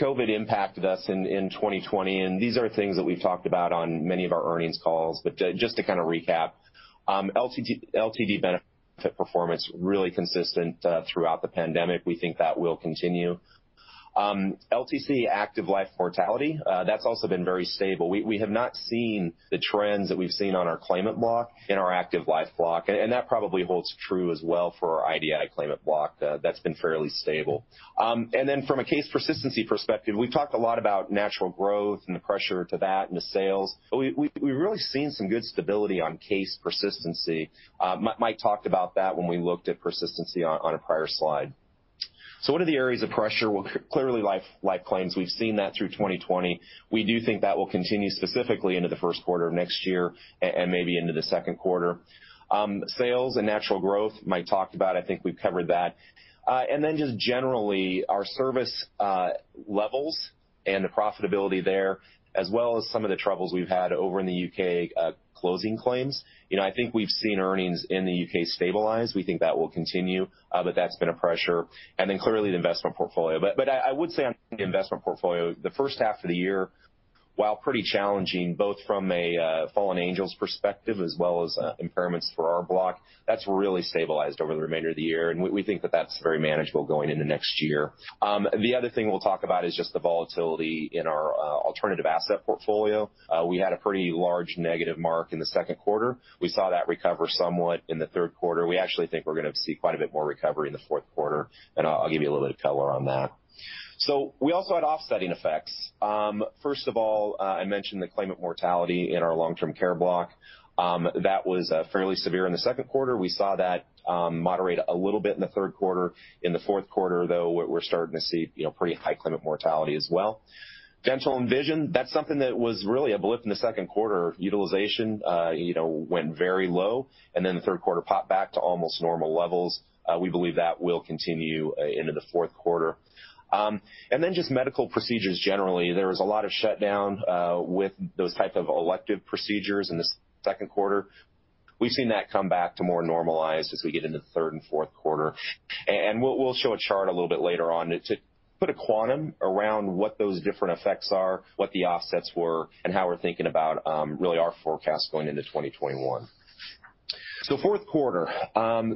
COVID impacted us in 2020? These are things that we've talked about on many of our earnings calls, but just to kind of recap. LTD benefit performance, really consistent throughout the pandemic. We think that will continue. LTC active life mortality, that's also been very stable. We have not seen the trends that we've seen on our claimant block in our active life block, and that probably holds true as well for our IDI claimant block. That's been fairly stable. From a case persistency perspective, we've talked a lot about natural growth and the pressure to that and the sales. We've really seen some good stability on case persistency. Mike talked about that when we looked at persistency on a prior slide. What are the areas of pressure? Well, clearly life claims. We've seen that through 2020. We do think that will continue specifically into the first quarter of next year and maybe into the second quarter. Sales and natural growth, Mike talked about, I think we've covered that. Just generally, our service levels and the profitability there, as well as some of the troubles we've had over in the U.K. closing claims. I think we've seen earnings in the U.K. stabilize. We think that will continue, but that's been a pressure. Clearly, the investment portfolio. I would say on the investment portfolio, the first half of the year, while pretty challenging, both from a fallen angels perspective as well as impairments for our block, that's really stabilized over the remainder of the year, and we think that that's very manageable going into next year. The other thing we'll talk about is just the volatility in our alternative asset portfolio. We had a pretty large negative mark in the second quarter. We saw that recover somewhat in the third quarter. We actually think we're going to see quite a bit more recovery in the fourth quarter, and I'll give you a little bit of color on that. We also had offsetting effects. First of all, I mentioned the claimant mortality in our long-term care block. That was fairly severe in the second quarter. We saw that moderate a little bit in the third quarter. In the fourth quarter, though, we're starting to see pretty high claimant mortality as well. Dental and vision, that's something that was really a blip in the second quarter. Utilization went very low and the third quarter popped back to almost normal levels. We believe that will continue into the fourth quarter. Just medical procedures generally. There was a lot of shutdown with those type of elective procedures in the second quarter. We've seen that come back to more normalized as we get into the third and fourth quarter. We'll show a chart a little bit later on to put a quantum around what those different effects are, what the offsets were, and how we're thinking about really our forecast going into 2021. Fourth quarter.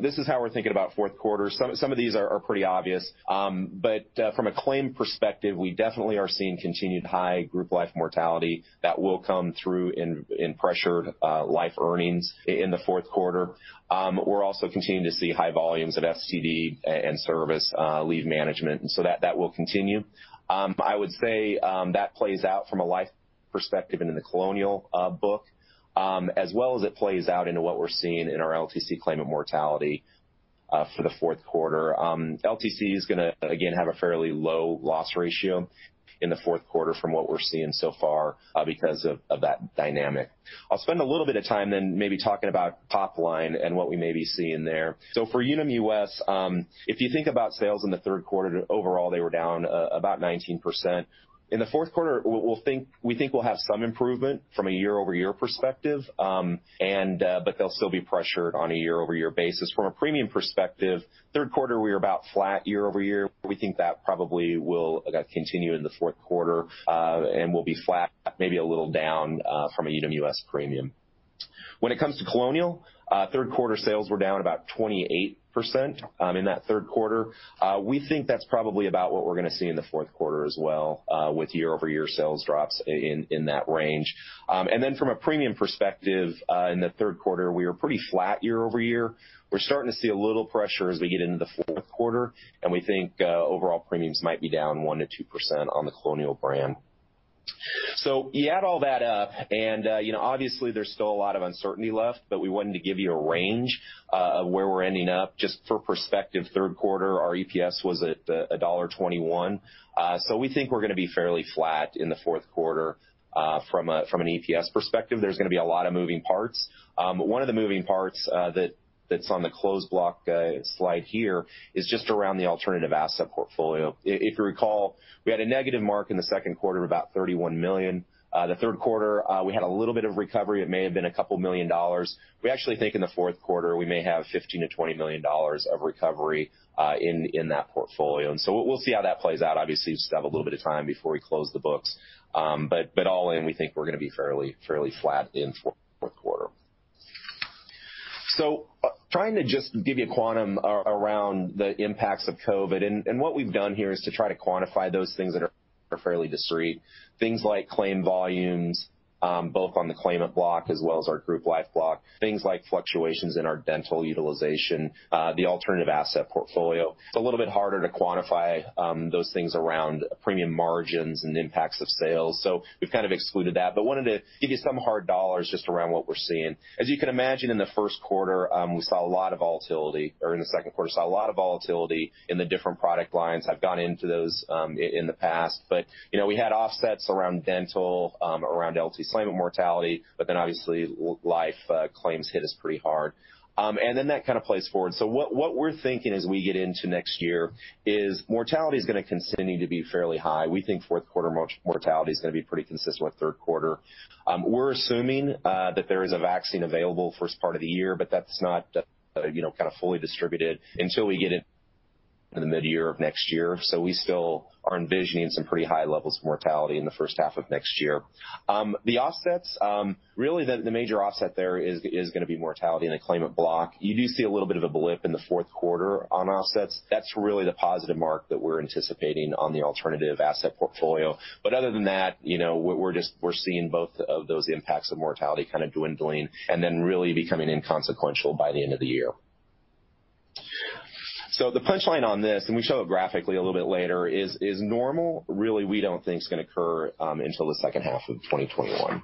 This is how we're thinking about fourth quarter. Some of these are pretty obvious. From a claim perspective, we definitely are seeing continued high group life mortality that will come through in pressured life earnings in the fourth quarter. We're also continuing to see high volumes at FCD and service leave management, that will continue. I would say that plays out from a life perspective into the Colonial book, as well as it plays out into what we're seeing in our LTC claimant mortality for the fourth quarter. LTC is going to, again, have a fairly low loss ratio in the fourth quarter from what we're seeing so far because of that dynamic. I'll spend a little bit of time then maybe talking about top line and what we may be seeing there. For Unum US, if you think about sales in the third quarter, overall, they were down about 19%. In the fourth quarter, we think we'll have some improvement from a year-over-year perspective, but they'll still be pressured on a year-over-year basis. From a premium perspective, third quarter, we were about flat year-over-year. We think that probably will continue in the fourth quarter, and we'll be flat, maybe a little down from a Unum US premium. When it comes to Colonial, third quarter sales were down about 28% in that third quarter. We think that's probably about what we're going to see in the fourth quarter as well with year-over-year sales drops in that range. From a premium perspective, in the third quarter, we were pretty flat year-over-year. We're starting to see a little pressure as we get into the fourth quarter, and we think overall premiums might be down 1%-2% on the Colonial brand. You add all that up, and obviously there's still a lot of uncertainty left, but we wanted to give you a range of where we're ending up. Just for perspective, third quarter, our EPS was at $1.21. We think we're going to be fairly flat in the fourth quarter from an EPS perspective. There's going to be a lot of moving parts. One of the moving parts that's on the close block slide here is just around the alternative asset portfolio. If you recall, we had a negative mark in the second quarter of about $31 million. The third quarter, we had a little bit of recovery. It may have been a couple million dollars. We actually think in the fourth quarter, we may have $15 million-$20 million of recovery in that portfolio, we'll see how that plays out. Obviously, we still have a little bit of time before we close the books. All in, we think we're going to be fairly flat in fourth quarter. Trying to just give you a quantum around the impacts of COVID, and what we've done here is to try to quantify those things that are fairly discrete, things like claim volumes, both on the claimant block as well as our group life block, things like fluctuations in our dental utilization, the alternative asset portfolio. It's a little bit harder to quantify those things around premium margins and impacts of sales. We've kind of excluded that, but wanted to give you some hard dollars just around what we're seeing. As you can imagine, in the first quarter, we saw a lot of volatility, or in the second quarter, saw a lot of volatility in the different product lines. I've gone into those in the past. But we had offsets around dental, around LTC claimant mortality, obviously life claims hit us pretty hard. That kind of plays forward. What we're thinking as we get into next year is mortality is going to continue to be fairly high. We think fourth quarter mortality is going to be pretty consistent with third quarter. We're assuming that there is a vaccine available first part of the year, but that's not kind of fully distributed until we get into the mid-year of next year. We still are envisioning some pretty high levels of mortality in the first half of next year. The offsets, really the major offset there is going to be mortality in a claimant block. You do see a little bit of a blip in the fourth quarter on offsets. That's really the positive mark that we're anticipating on the alternative asset portfolio. Other than that, we're seeing both of those impacts of mortality kind of dwindling and then really becoming inconsequential by the end of the year. The punchline on this, and we show it graphically a little bit later, is normal really we don't think is going to occur until the second half of 2021.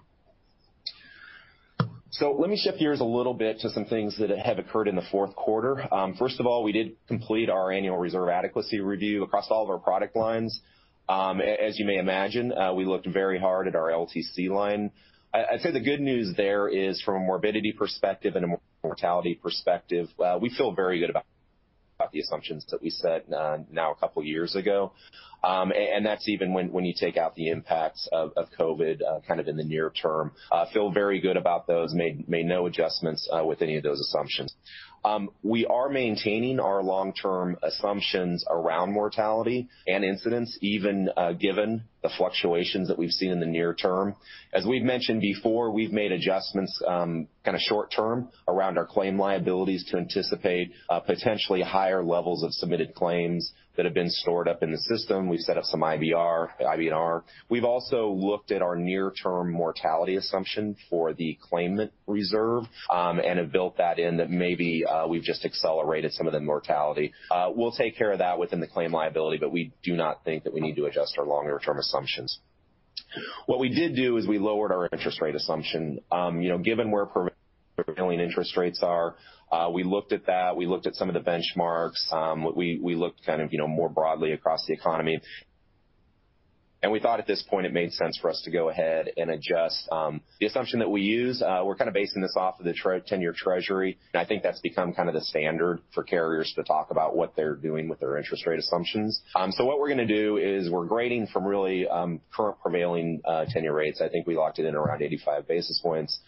Let me shift gears a little bit to some things that have occurred in the fourth quarter. First of all, we did complete our annual reserve adequacy review across all of our product lines. As you may imagine, we looked very hard at our LTC line. I'd say the good news there is from a morbidity perspective and a mortality perspective, we feel very good about the assumptions that we set now a couple of years ago, and that's even when you take out the impacts of COVID kind of in the near term. Feel very good about those, made no adjustments with any of those assumptions. We are maintaining our long-term assumptions around mortality and incidence, even given the fluctuations that we've seen in the near term. As we've mentioned before, we've made adjustments kind of short term around our claim liabilities to anticipate potentially higher levels of submitted claims that have been stored up in the system. We've set up some IBNR. We've also looked at our near-term mortality assumption for the claimant reserve and have built that in that maybe we've just accelerated some of the mortality. We'll take care of that within the claim liability, we do not think that we need to adjust our longer-term assumptions. What we did do is we lowered our interest rate assumption. Given where prevailing interest rates are, we looked at that. We looked at some of the benchmarks. We looked kind of more broadly across the economy, and we thought at this point it made sense for us to go ahead and adjust the assumption that we use. We're kind of basing this off of the 10-year treasury, and I think that's become kind of the standard for carriers to talk about what they're doing with their interest rate assumptions. What we're going to do is we're grading from really current prevailing 10-year rates. I think we locked it in around 85 basis points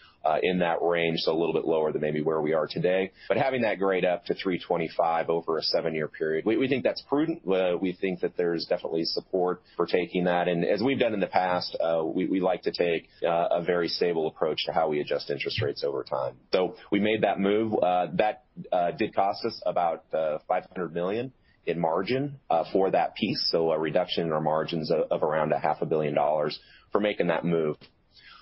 in that range, so a little bit lower than maybe where we are today. Having that grade up to 325 over a seven-year period, we think that's prudent. We think that there's definitely support for taking that. As we've done in the past, we like to take a very stable approach to how we adjust interest rates over time. We made that move. That did cost us about $500 million in margin for that piece, so a reduction in our margins of around a half a billion dollars for making that move.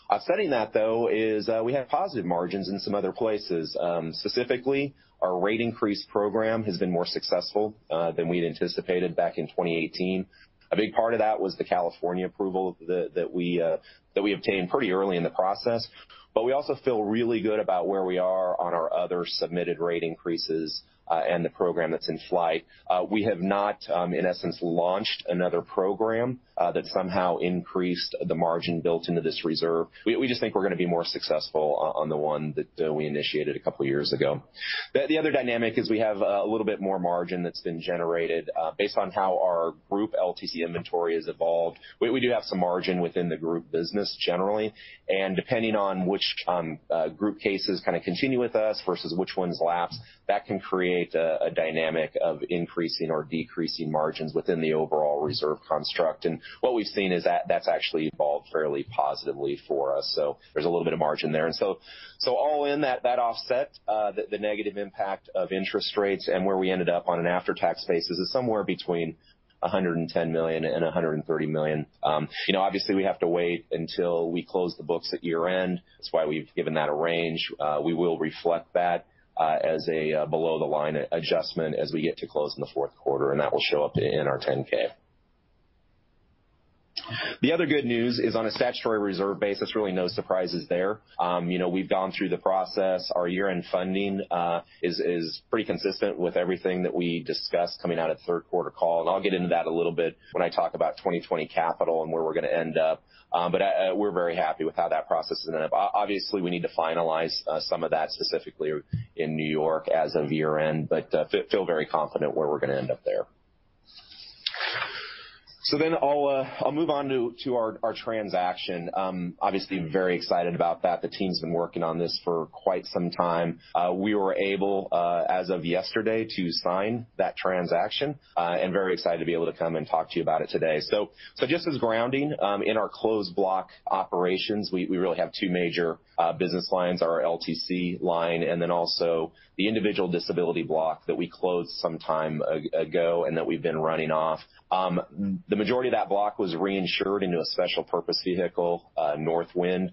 Offsetting that, though, is we have positive margins in some other places. Specifically, our rate increase program has been more successful than we'd anticipated back in 2018. A big part of that was the California approval that we obtained pretty early in the process. We also feel really good about where we are on our other submitted rate increases and the program that's in flight. We have not, in essence, launched another program that somehow increased the margin built into this reserve. We just think we're going to be more successful on the one that we initiated a couple of years ago. The other dynamic is we have a little bit more margin that's been generated based on how our group LTC inventory has evolved. We do have some margin within the group business generally, and depending on which group cases kind of continue with us versus which ones lapse, that can create a dynamic of increasing or decreasing margins within the overall reserve construct. What we've seen is that's actually evolved fairly positively for us. There's a little bit of margin there. All in, that offset the negative impact of interest rates and where we ended up on an after-tax basis is somewhere between $110 million-$130 million. Obviously, we have to wait until we close the books at year-end. That's why we've given that a range. We will reflect that as a below-the-line adjustment as we get to close in the fourth quarter, and that will show up in our 10-K. The other good news is on a statutory reserve basis, really no surprises there. We've gone through the process. Our year-end funding is pretty consistent with everything that we discussed coming out of the third quarter call, and I'll get into that a little bit when I talk about 2020 capital and where we're going to end up. We're very happy with how that process has ended up. Obviously, we need to finalize some of that specifically in New York as of year-end, feel very confident where we're going to end up there. I'll move on to our transaction. Obviously, very excited about that. The team's been working on this for quite some time. We were able, as of yesterday, to sign that transaction, and very excited to be able to come and talk to you about it today. Just as grounding, in our closed block operations, we really have two major business lines, our LTC line, and then also the individual disability block that we closed some time ago and that we've been running off. The majority of that block was reinsured into a special purpose vehicle, Northwind.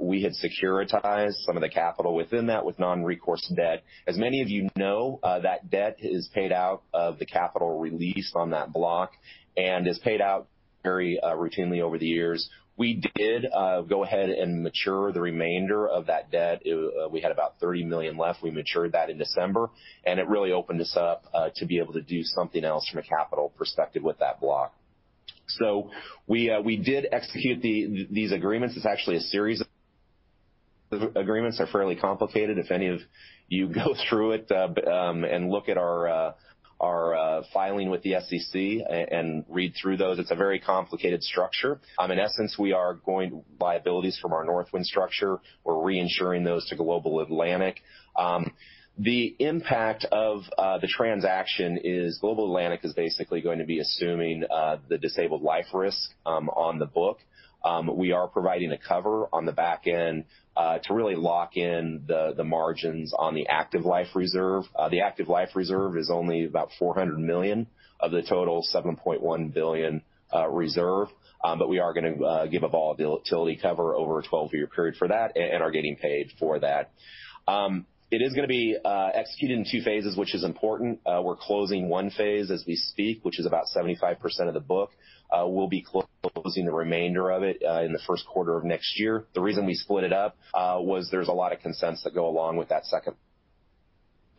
We had securitized some of the capital within that with non-recourse debt. As many of you know, that debt is paid out of the capital released on that block and is paid out very routinely over the years. We did go ahead and mature the remainder of that debt. We had about $30 million left. We matured that in December, it really opened us up to be able to do something else from a capital perspective with that block. We did execute these agreements. It's actually a series of agreements, they're fairly complicated. If any of you go through it and look at our filing with the SEC and read through those, it's a very complicated structure. In essence, we are going to buy abilities from our Northwind structure. We're reinsuring those to Global Atlantic. The impact of the transaction is Global Atlantic is basically going to be assuming the disabled life risk on the book. We are providing a cover on the back end to really lock in the margins on the active life reserve. The active life reserve is only about $400 million of the total $7.1 billion reserve. We are going to give a volatility cover over a 12-year period for that and are getting paid for that. It is going to be executed in two phases, which is important. We're closing one phase as we speak, which is about 75% of the book. We'll be closing the remainder of it in the first quarter of next year. The reason we split it up was there's a lot of consents that go along with that second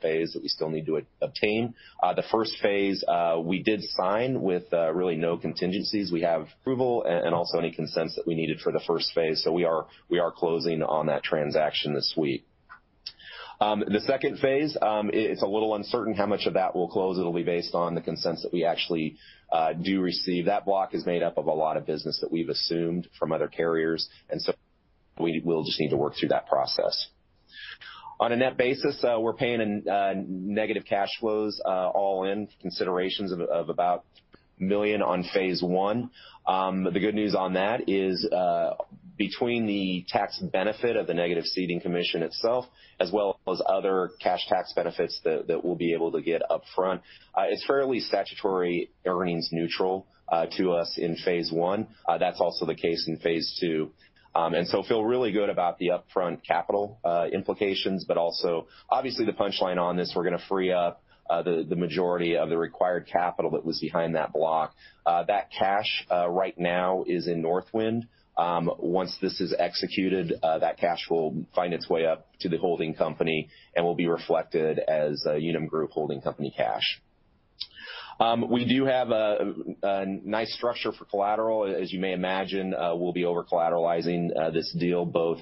phase that we still need to obtain. The first phase we did sign with really no contingencies. We have approval and also any consents that we needed for the first phase. We are closing on that transaction this week. The second phase, it's a little uncertain how much of that will close. It'll be based on the consents that we actually do receive. That block is made up of a lot of business that we've assumed from other carriers. We'll just need to work through that process. On a net basis, we're paying in negative cash flows all in considerations of about $1 million on phase one. The good news on that is between the tax benefit of the negative ceding commission itself, as well as other cash tax benefits that we'll be able to get upfront, it's fairly statutory earnings neutral to us in phase one. That's also the case in phase two. Feel really good about the upfront capital implications, but also obviously the punchline on this, we're going to free up the majority of the required capital that was behind that block. That cash right now is in Northwind. Once this is executed, that cash will find its way up to the holding company and will be reflected as Unum Group holding company cash. We do have a nice structure for collateral. As you may imagine, we'll be over-collateralizing this deal, both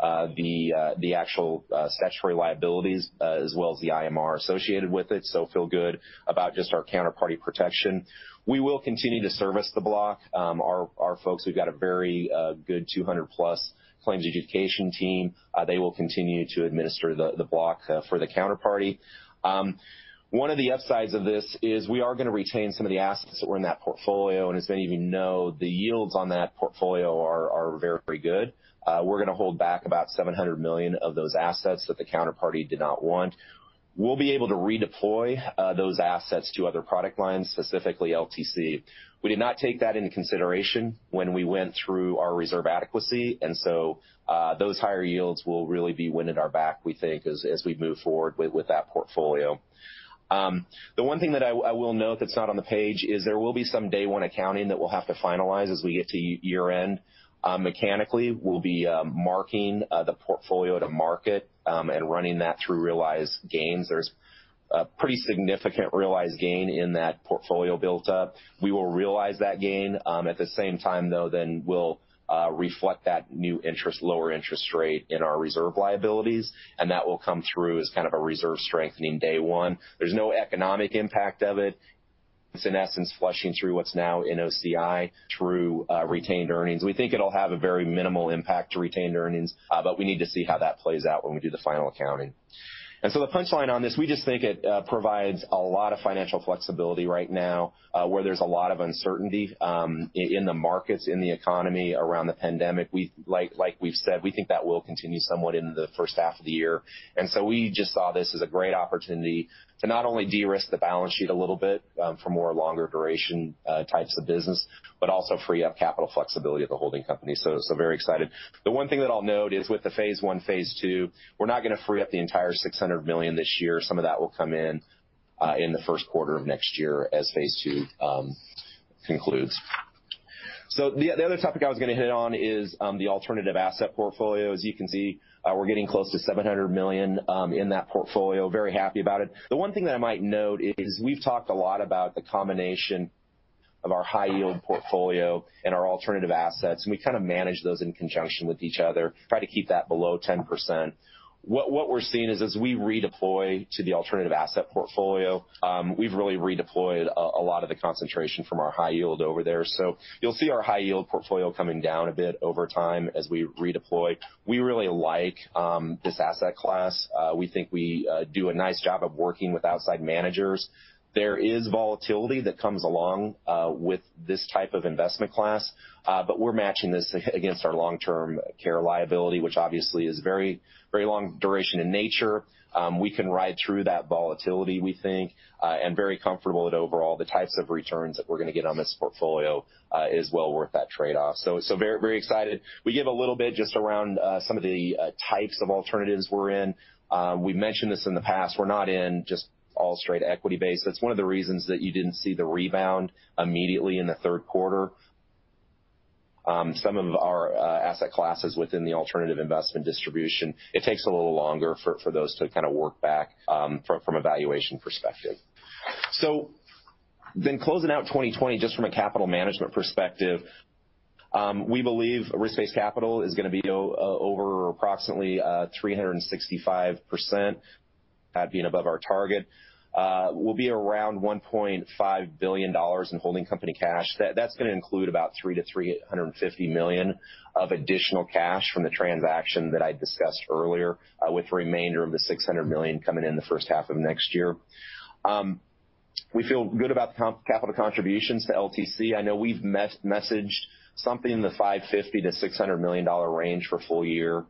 the actual statutory liabilities as well as the IMR associated with it. Feel good about just our counterparty protection. We will continue to service the block. Our folks who've got a very good 200-plus claims education team, they will continue to administer the block for the counterparty. One of the upsides of this is we are going to retain some of the assets that were in that portfolio, and as many of you know, the yields on that portfolio are very good. We're going to hold back about $700 million of those assets that the counterparty did not want. We'll be able to redeploy those assets to other product lines, specifically LTC. We did not take that into consideration when we went through our reserve adequacy. Those higher yields will really be wind at our back, we think, as we move forward with that portfolio. The one thing that I will note that's not on the page is there will be some day one accounting that we'll have to finalize as we get to year-end. Mechanically, we'll be marking the portfolio to market, and running that through realized gains. There's a pretty significant realized gain in that portfolio built up. We will realize that gain. At the same time, though, we'll reflect that new lower interest rate in our reserve liabilities, and that will come through as kind of a reserve strengthening day one. There's no economic impact of it. It's, in essence, flushing through what's now in OCI through retained earnings. We think it'll have a very minimal impact to retained earnings, but we need to see how that plays out when we do the final accounting. The punchline on this, we just think it provides a lot of financial flexibility right now where there's a lot of uncertainty in the markets, in the economy, around the pandemic. Like we've said, we think that will continue somewhat in the first half of the year. We just saw this as a great opportunity to not only de-risk the balance sheet a little bit for more longer duration types of business, but also free up capital flexibility of the holding company. Very excited. The one thing that I'll note is with the phase one, phase two, we're not going to free up the entire $600 million this year. Some of that will come in the first quarter of next year as Phase Two concludes. The other topic I was going to hit on is the alternative asset portfolio. As you can see, we're getting close to $700 million in that portfolio. Very happy about it. The one thing that I might note is we've talked a lot about the combination of our high yield portfolio and our alternative assets, and we kind of manage those in conjunction with each other, try to keep that below 10%. What we're seeing is as we redeploy to the alternative asset portfolio, we've really redeployed a lot of the concentration from our high yield over there. You'll see our high yield portfolio coming down a bit over time as we redeploy. We really like this asset class. We think we do a nice job of working with outside managers. There is volatility that comes along with this type of investment class. We're matching this against our long-term care liability, which obviously is very long duration in nature. We can ride through that volatility, we think, and very comfortable at overall the types of returns that we're going to get on this portfolio is well worth that trade-off. Very excited. We give a little bit just around some of the types of alternatives we're in. We've mentioned this in the past. We're not in just all straight equity base. That's one of the reasons that you didn't see the rebound immediately in the third quarter. Some of our asset classes within the alternative investment distribution, it takes a little longer for those to kind of work back from a valuation perspective. Closing out 2020, just from a capital management perspective, we believe risk-based capital is going to be over approximately 365%, that being above our target. We'll be around $1.5 billion in holding company cash. That's going to include about $300 million-$350 million of additional cash from the transaction that I discussed earlier, with the remainder of the $600 million coming in the first half of next year. We feel good about capital contributions to LTC. I know we've messaged something in the $550 million-$600 million range for full year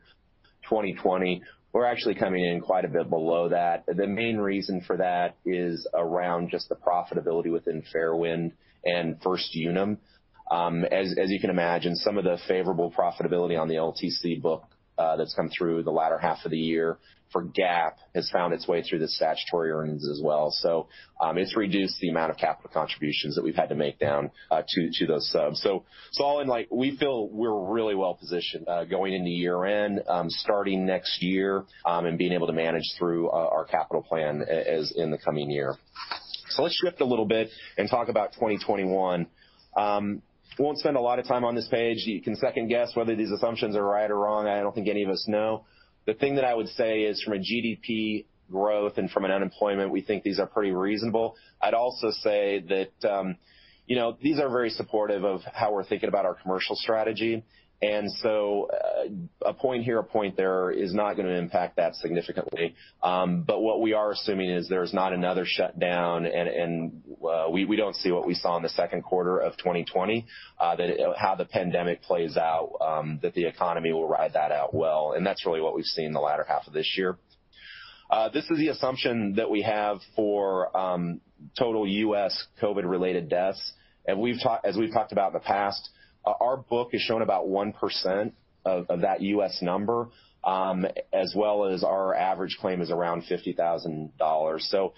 2020. We're actually coming in quite a bit below that. The main reason for that is around just the profitability within Fairwind and First Unum. As you can imagine, some of the favorable profitability on the LTC book that's come through the latter half of the year for GAAP has found its way through the statutory earnings as well. It's reduced the amount of capital contributions that we've had to make down to those subs. All in, we feel we're really well positioned going into year-end, starting next year, and being able to manage through our capital plan in the coming year. Let's shift a little bit and talk about 2021. Won't spend a lot of time on this page. You can second guess whether these assumptions are right or wrong. I don't think any of us know. The thing that I would say is from a GDP growth and from an unemployment, we think these are pretty reasonable. I'd also say that these are very supportive of how we're thinking about our commercial strategy, a point here, a point there is not going to impact that significantly. What we are assuming is there's not another shutdown, and we don't see what we saw in the second quarter of 2020, how the pandemic plays out, that the economy will ride that out well, and that's really what we've seen the latter half of this year. This is the assumption that we have for total U.S. COVID-related deaths. As we've talked about in the past, our book is showing about 1% of that U.S. number, as well as our average claim is around $50,000.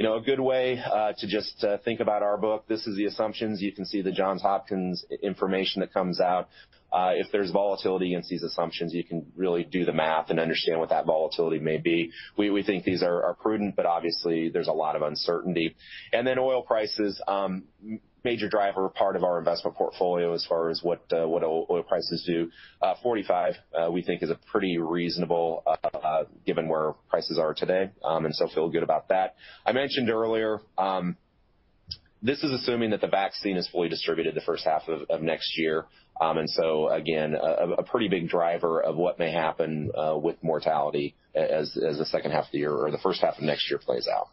A good way to just think about our book, this is the assumptions. You can see the Johns Hopkins information that comes out. If there's volatility against these assumptions, you can really do the math and understand what that volatility may be. We think these are prudent, obviously, there's a lot of uncertainty. Oil prices, major driver part of our investment portfolio as far as what oil prices do. 45 we think is pretty reasonable given where prices are today, feel good about that. I mentioned earlier, this is assuming that the vaccine is fully distributed the first half of next year. Again, a pretty big driver of what may happen with mortality as the second half of the year or the first half of next year plays out.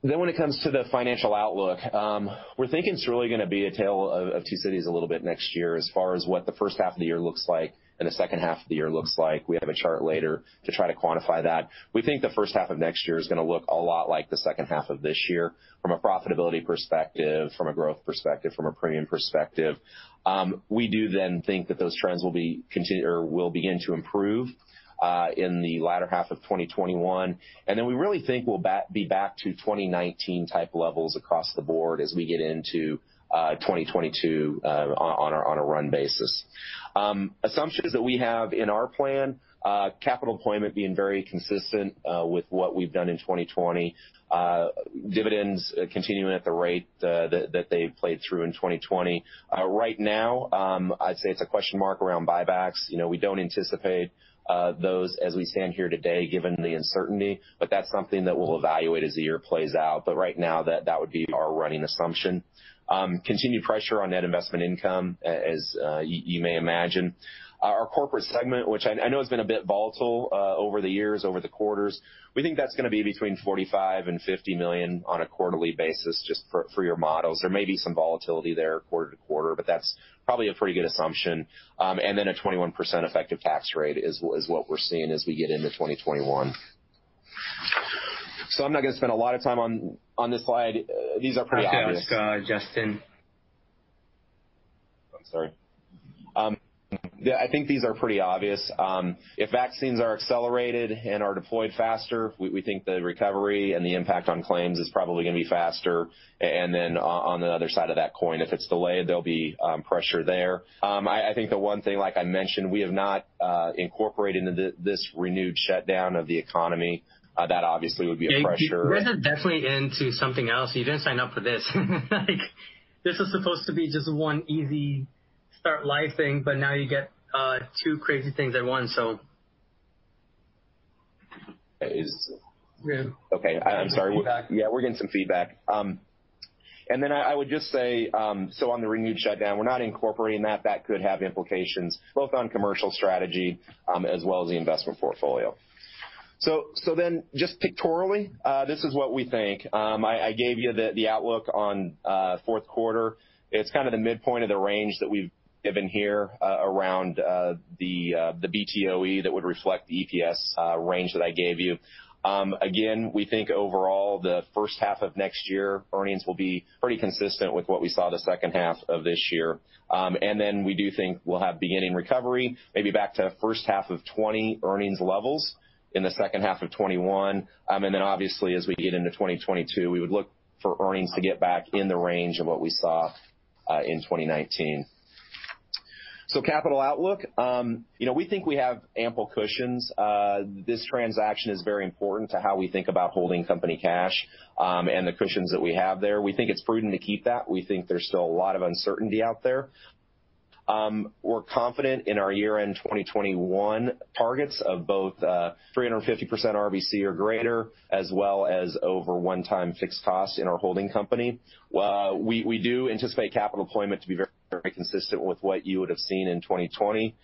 When it comes to the financial outlook, we're thinking it's really going to be a tale of two cities a little bit next year as far as what the first half of the year looks like and the second half of the year looks like. We have a chart later to try to quantify that. We think the first half of next year is going to look a lot like the second half of this year from a profitability perspective, from a growth perspective, from a premium perspective. We do then think that those trends will begin to improve in the latter half of 2021. We really think we'll be back to 2019 type levels across the board as we get into 2022 on a run basis. Assumptions that we have in our plan, capital deployment being very consistent with what we've done in 2020. Dividends continuing at the rate that they played through in 2020. Right now, I'd say it's a question mark around buybacks. We don't anticipate those as we stand here today given the uncertainty, but that's something that we'll evaluate as the year plays out. Right now, that would be our running assumption. Continued pressure on net investment income, as you may imagine. Our corporate segment, which I know has been a bit volatile over the years, over the quarters, we think that's going to be between $45 million and $50 million on a quarterly basis just for your models. There may be some volatility there quarter to quarter, but that's probably a pretty good assumption. A 21% effective tax rate is what we're seeing as we get into 2021. I'm not going to spend a lot of time on this slide. These are pretty obvious. I have to ask, Justin I'm sorry. Yeah, I think these are pretty obvious. If vaccines are accelerated and are deployed faster, we think the recovery and the impact on claims is probably going to be faster. On the other side of that coin, if it's delayed, there'll be pressure there. I think the one thing like I mentioned, we have not incorporated this renewed shutdown of the economy. That obviously would be a pressure- You guys are definitely into something else. You didn't sign up for this. This was supposed to be just one easy start life thing, but now you get two crazy things at once, so Is- Yeah. Okay. I'm sorry. Feedback. Yeah, we're getting some feedback. I would just say, on the renewed shutdown, we're not incorporating that. That could have implications both on commercial strategy as well as the investment portfolio. Just pictorially, this is what we think. I gave you the outlook on fourth quarter. It's kind of the midpoint of the range that we've given here around the BTOE that would reflect the EPS range that I gave you. Again, we think overall, the first half of next year, earnings will be pretty consistent with what we saw the second half of this year. We do think we'll have beginning recovery, maybe back to first half of 2020 earnings levels in the second half of 2021. Obviously as we get into 2022, we would look for earnings to get back in the range of what we saw in 2019. Capital outlook. We think we have ample cushions. This transaction is very important to how we think about holding company cash, and the cushions that we have there. We think it's prudent to keep that. We think there's still a lot of uncertainty out there. We're confident in our year-end 2021 targets of both 350% RBC or greater, as well as over one time fixed costs in our holding company. We do anticipate capital deployment to be very consistent with what you would have seen in 2020.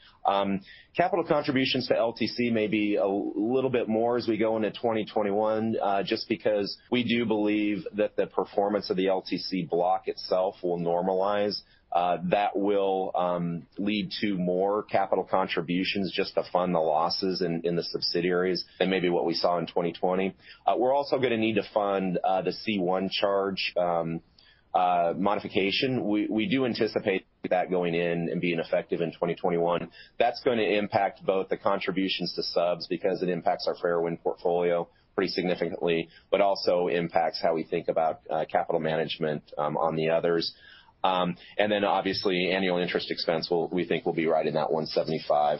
Capital contributions to LTC may be a little bit more as we go into 2021, just because we do believe that the performance of the LTC block itself will normalize. That will lead to more capital contributions just to fund the losses in the subsidiaries than maybe what we saw in 2020. We're also going to need to fund the C1 charge modification. We do anticipate that going in and being effective in 2021. That's going to impact both the contributions to subs because it impacts our Fairwind portfolio pretty significantly, but also impacts how we think about capital management on the others. Obviously, annual interest expense, we think will be right in that $175.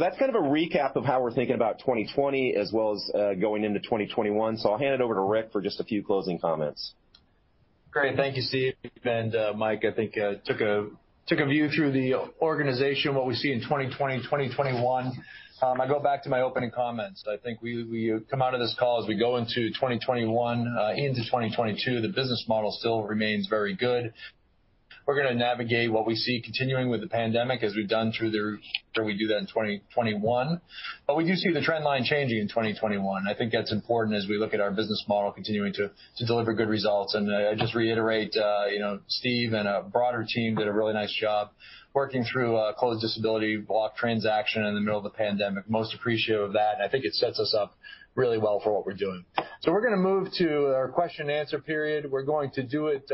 That's kind of a recap of how we're thinking about 2020 as well as going into 2021. I'll hand it over to Rick for just a few closing comments. Great. Thank you, Steve and Mike. I think we took a view through the organization, what we see in 2020, 2021. I go back to my opening comments. I think we come out of this call as we go into 2021 into 2022, the business model still remains very good. We're going to navigate what we see continuing with the pandemic as we've done through there, we do that in 2021. We do see the trend line changing in 2021. I think that's important as we look at our business model continuing to deliver good results. I just reiterate, Steve and a broader team did a really nice job working through a closed disability block transaction in the middle of the pandemic. Most appreciative of that, and I think it sets us up really well for what we're doing. We're going to move to our question and answer period. We're going to do it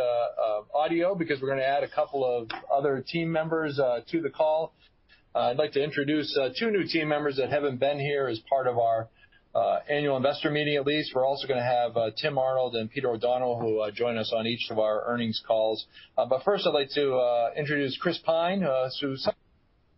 audio because we're going to add a couple of other team members to the call. I'd like to introduce two new team members that haven't been here as part of our annual investor meeting, at least. We're also going to have Tim Arnold and Peter O'Donnell, who join us on each of our earnings calls. First I'd like to introduce Chris Pyne, who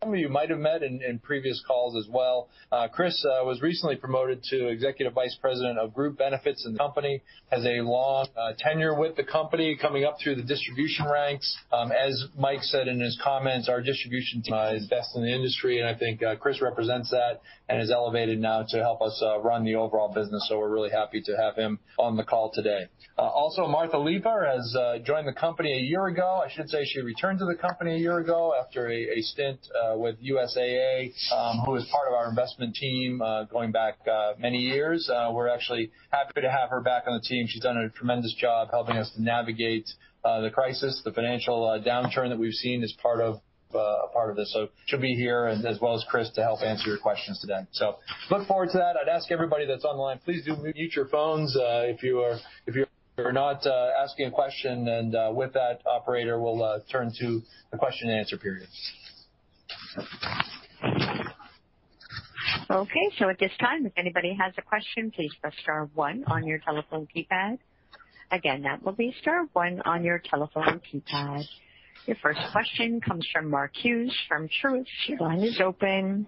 some of you might have met in previous calls as well. Chris was recently promoted to Executive Vice President of Group Benefits, and the company has a long tenure with the company coming up through the distribution ranks. As Mike said in his comments, our distribution team is best in the industry, and I think Chris represents that and is elevated now to help us run the overall business. We're really happy to have him on the call today. Also, Martha Leiper has joined the company a year ago. I should say she returned to the company a year ago after a stint with USAA, who was part of our investment team going back many years. We're actually happy to have her back on the team. She's done a tremendous job helping us to navigate the crisis, the financial downturn that we've seen as a part of this. She'll be here and as well as Chris to help answer your questions today. Look forward to that. I'd ask everybody that's online, please do mute your phones if you're not asking a question. With that, operator, we'll turn to the question and answer period. Okay. At this time, if anybody has a question, please press star one on your telephone keypad. Again, that will be star one on your telephone keypad. Your first question comes from Mark Hughes from Truist. Your line is open.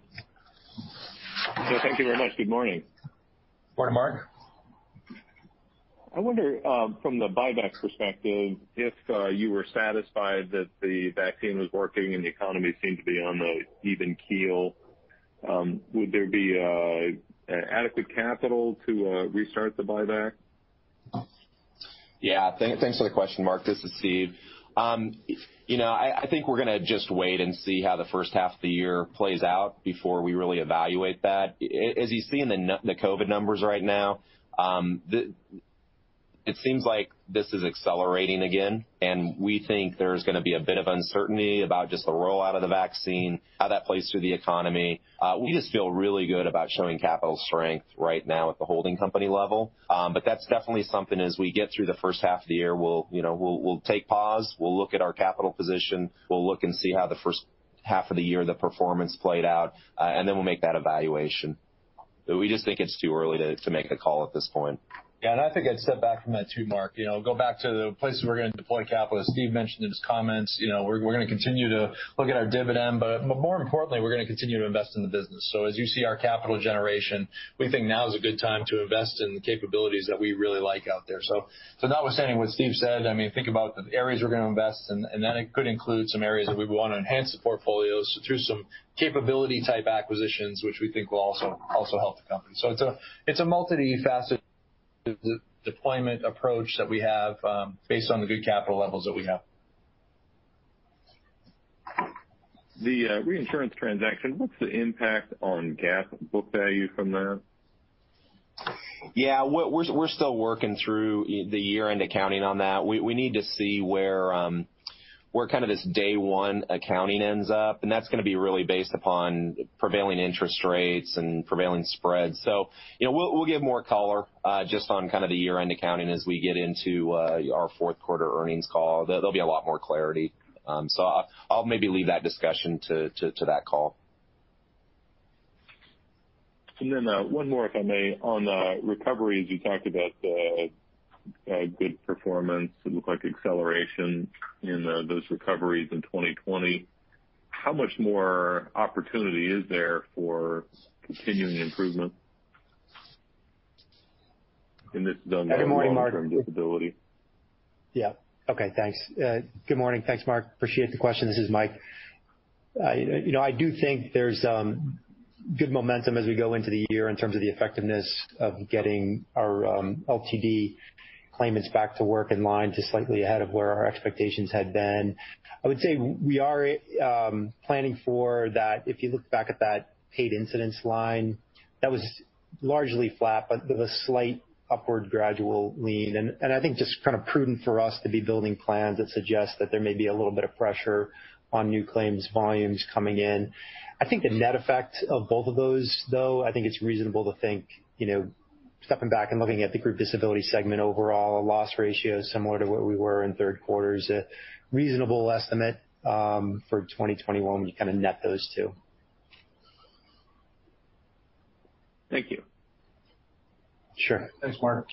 Thank you very much. Good morning. Morning, Mark. I wonder from the buybacks perspective, if you were satisfied that the vaccine was working and the economy seemed to be on an even keel, would there be adequate capital to restart the buyback? Thanks for the question, Mark. This is Steve. I think we're going to just wait and see how the first half of the year plays out before we really evaluate that. As you see in the COVID-19 numbers right now, it seems like this is accelerating again, and we think there's going to be a bit of uncertainty about just the rollout of the vaccine, how that plays through the economy. We just feel really good about showing capital strength right now at the holding company level. That's definitely something as we get through the first half of the year, we'll take pause, we'll look at our capital position, we'll look and see how the first half of the year, the performance played out, and then we'll make that evaluation. We just think it's too early to make a call at this point. I think I'd step back from that too, Mark. Go back to the places we're going to deploy capital, as Steve mentioned in his comments. We're going to continue to look at our dividend, but more importantly, we're going to continue to invest in the business. As you see our capital generation, we think now is a good time to invest in the capabilities that we really like out there. Notwithstanding what Steve said, think about the areas we're going to invest, and that could include some areas that we want to enhance the portfolios through some capability type acquisitions, which we think will also help the company. It's a multi-faceted deployment approach that we have based on the good capital levels that we have. The reinsurance transaction, what's the impact on GAAP book value from there? Yeah. We're still working through the year-end accounting on that. We need to see where this day one accounting ends up, and that's going to be really based upon prevailing interest rates and prevailing spreads. We'll give more color just on the year-end accounting as we get into our fourth quarter earnings call. There'll be a lot more clarity. I'll maybe leave that discussion to that call. one more, if I may. On the recoveries, you talked about the good performance. It looked like acceleration in those recoveries in 2020. How much more opportunity is there for continuing improvement? This is on the- Good morning, Mark long-term disability. Yeah. Okay, thanks. Good morning. Thanks, Mark. Appreciate the question. This is Mike. I do think there's good momentum as we go into the year in terms of the effectiveness of getting our LTD claimants back to work in line, just slightly ahead of where our expectations had been. I would say we are planning for that. If you look back at that paid incidents line, that was largely flat, but with a slight upward gradual lean. I think just kind of prudent for us to be building plans that suggest that there may be a little bit of pressure on new claims volumes coming in. I think the net effect of both of those, though, I think it's reasonable to think, stepping back and looking at the group disability segment overall, a loss ratio similar to where we were in third quarter is a reasonable estimate for 2021 when you net those two. Thank you. Sure. Thanks, Mark.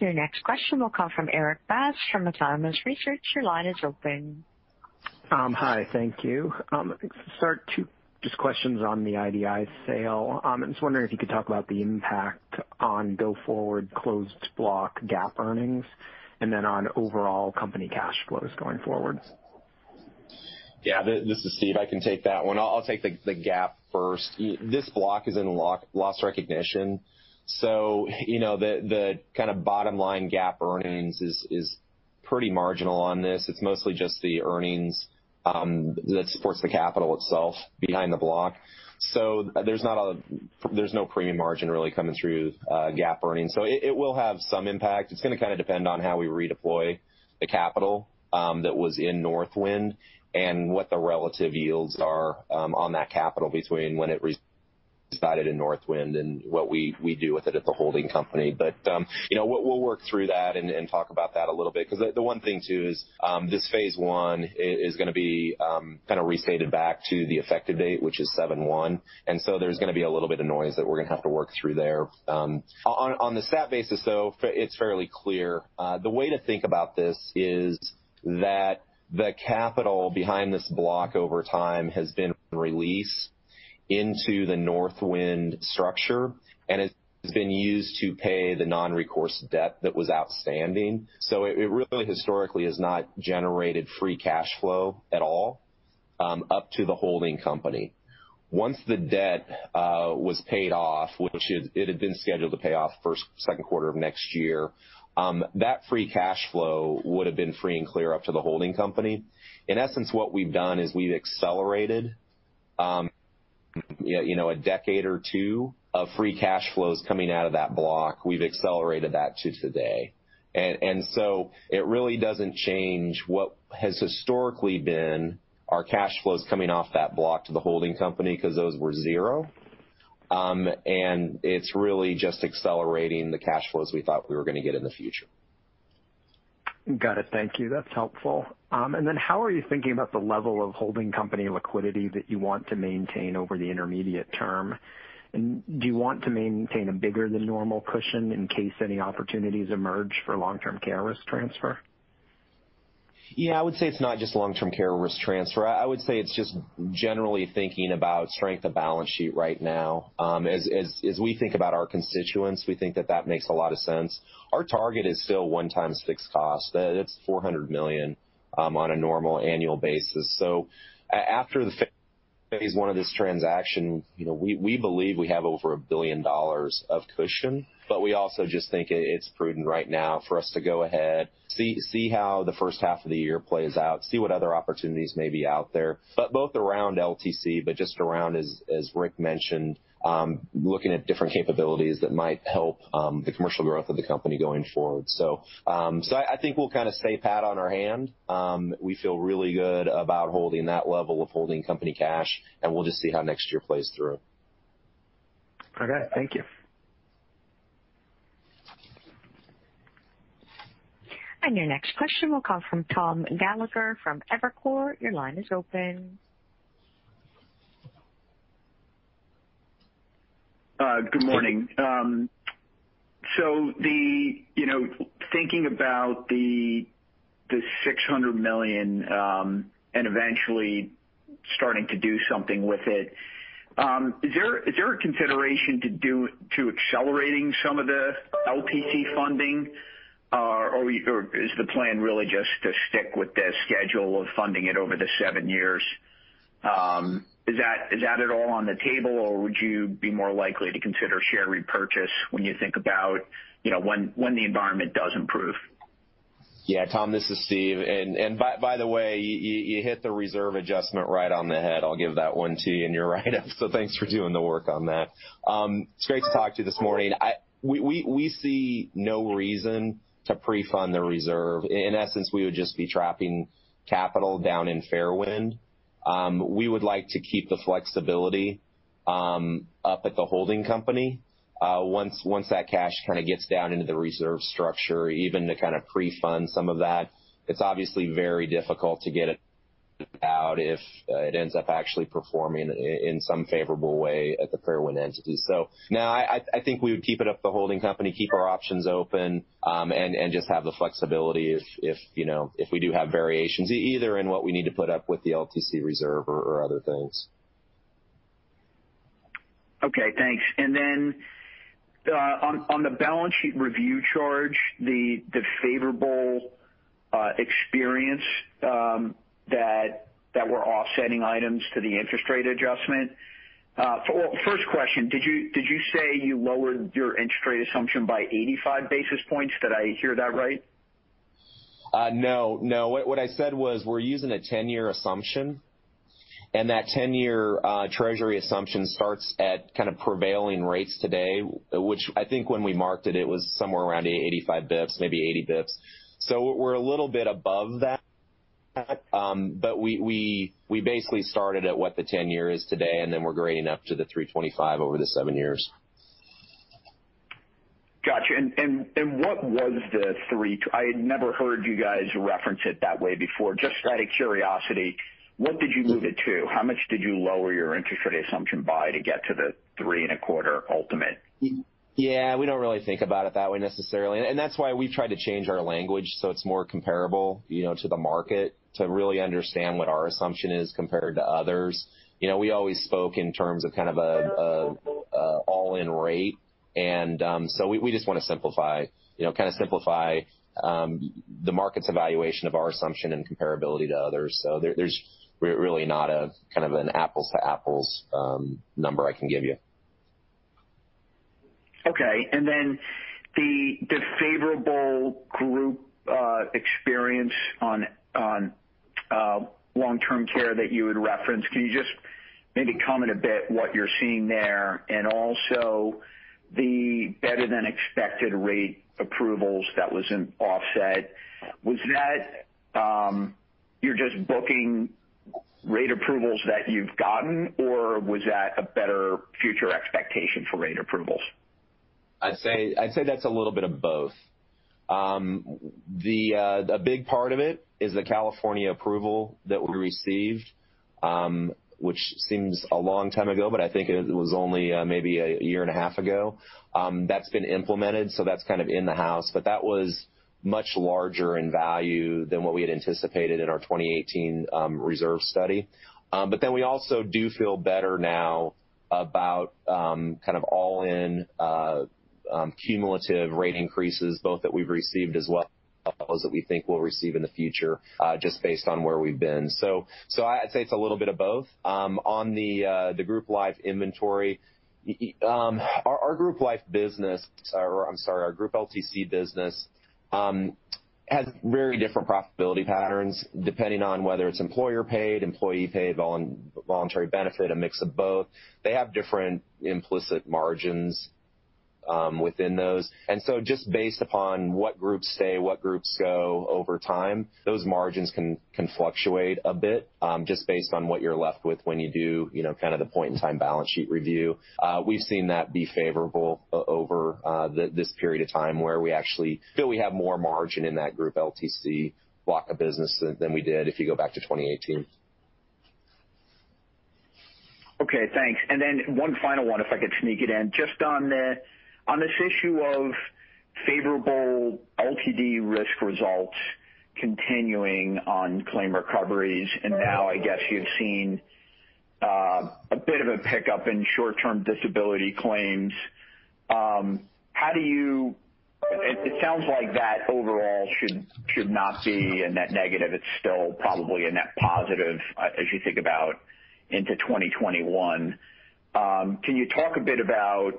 Your next question will come from Erik Bass from Autonomous Research. Your line is open. Hi, thank you. To start, two just questions on the IDI sale. I'm just wondering if you could talk about the impact on go forward closed block GAAP earnings and then on overall company cash flows going forward. Yeah. This is Steve. I can take that one. I'll take the GAAP first. This block is in loss recognition. The kind of bottom line GAAP earnings is pretty marginal on this. It's mostly just the earnings that supports the capital itself behind the block. There's no premium margin really coming through GAAP earnings. It will have some impact. It's going to kind of depend on how we redeploy the capital that was in Northwind and what the relative yields are on that capital between when it resided in Northwind and what we do with it at the holding company. We'll work through that and talk about that a little bit. The one thing too is, this phase 1 is going to be restated back to the effective date, which is 7/1. There's going to be a little bit of noise that we're going to have to work through there. On the stat basis, though, it's fairly clear. The way to think about this is that the capital behind this block over time has been released into the Northwind structure, and it has been used to pay the non-recourse debt that was outstanding. It really historically has not generated free cash flow at all up to the holding company. Once the debt was paid off, which it had been scheduled to pay off first, second quarter of next year, that free cash flow would've been free and clear up to the holding company. In essence, what we've done is we've accelerated a decade or two of free cash flows coming out of that block. We've accelerated that to today. It really doesn't change what has historically been our cash flows coming off that block to the holding company because those were zero. It's really just accelerating the cash flows we thought we were going to get in the future. Got it. Thank you. That's helpful. How are you thinking about the level of holding company liquidity that you want to maintain over the intermediate term? Do you want to maintain a bigger than normal cushion in case any opportunities emerge for long-term care risk transfer? Yeah, I would say it's not just long-term care risk transfer. I would say it's just generally thinking about strength of balance sheet right now. As we think about our constituents, we think that that makes a lot of sense. Our target is still one times fixed cost. That's $400 million on a normal annual basis. After the phase one of this transaction, we believe we have over $1 billion of cushion, we also just think it's prudent right now for us to go ahead, see how the first half of the year plays out, see what other opportunities may be out there, both around LTC, just around, as Rick mentioned, looking at different capabilities that might help the commercial growth of the company going forward. I think we'll kind of stay pat on our hand. We feel really good about holding that level of holding company cash, we'll just see how next year plays through. Okay. Thank you. Your next question will come from Thomas Gallagher from Evercore. Your line is open. Good morning. Thinking about the $600 million and eventually starting to do something with it, is there a consideration to accelerating some of the LTC funding? Is the plan really just to stick with the schedule of funding it over the seven years? Is that at all on the table, or would you be more likely to consider share repurchase when you think about when the environment does improve? Yeah, Tom, this is Steve. By the way, you hit the reserve adjustment right on the head. I'll give that one to you, and you're right. Thanks for doing the work on that. It's great to talk to you this morning. We see no reason to pre-fund the reserve. In essence, we would just be trapping capital down in Fairwind. We would like to keep the flexibility up at the holding company. Once that cash kind of gets down into the reserve structure, even to kind of pre-fund some of that, it's obviously very difficult to get it out if it ends up actually performing in some favorable way at the Fairwind entity. No, I think we would keep it up the holding company, keep our options open, and just have the flexibility if we do have variations, either in what we need to put up with the LTC reserve or other things. Okay, thanks. On the balance sheet review charge, the favorable experience that were offsetting items to the interest rate adjustment. First question, did you say you lowered your interest rate assumption by 85 basis points? Did I hear that right? No. What I said was, we're using a 10-year assumption, and that 10-year treasury assumption starts at kind of prevailing rates today. Which I think when we marked it was somewhere around 85 basis points, maybe 80 basis points. We're a little bit above that, but we basically started at what the 10-year is today, and then we're grading up to the 325 over the seven years. Got you. I had never heard you guys reference it that way before. Just out of curiosity, what did you move it to? How much did you lower your interest rate assumption by to get to the three and a quarter ultimate? Yeah, we don't really think about it that way necessarily. That's why we've tried to change our language so it's more comparable to the market to really understand what our assumption is compared to others. We always spoke in terms of kind of an all-in rate. We just want to kind of simplify the market's evaluation of our assumption and comparability to others. There's really not a kind of an apples-to-apples number I can give you. Okay. The favorable group experience on long-term care that you had referenced, can you just maybe comment a bit what you're seeing there? Also the better-than-expected rate approvals that was in offset, was that you're just booking rate approvals that you've gotten, or was that a better future expectation for rate approvals? I'd say that's a little bit of both. A big part of it is the California approval that we received, which seems a long time ago, but I think it was only maybe a year and a half ago. That's been implemented, so that's kind of in the house. That was much larger in value than what we had anticipated in our 2018 reserve study. We also do feel better now about kind of all-in cumulative rate increases, both that we've received as well, those that we think we'll receive in the future, just based on where we've been. I'd say it's a little bit of both. On the group life inventory, our group LTC business has very different profitability patterns depending on whether it's employer-paid, employee-paid, voluntary benefit, a mix of both. They have different implicit margins within those. Just based upon what groups stay, what groups go over time, those margins can fluctuate a bit, just based on what you're left with when you do kind of the point-in-time balance sheet review. We've seen that be favorable over this period of time, where we actually feel we have more margin in that group LTC block of business than we did if you go back to 2018. Okay, thanks. One final one, if I could sneak it in. Just on this issue of favorable LTD risk results continuing on claim recoveries, and now I guess you've seen a bit of a pickup in short-term disability claims. It sounds like that overall should not be a net negative. It's still probably a net positive as you think about into 2021. Can you talk a bit about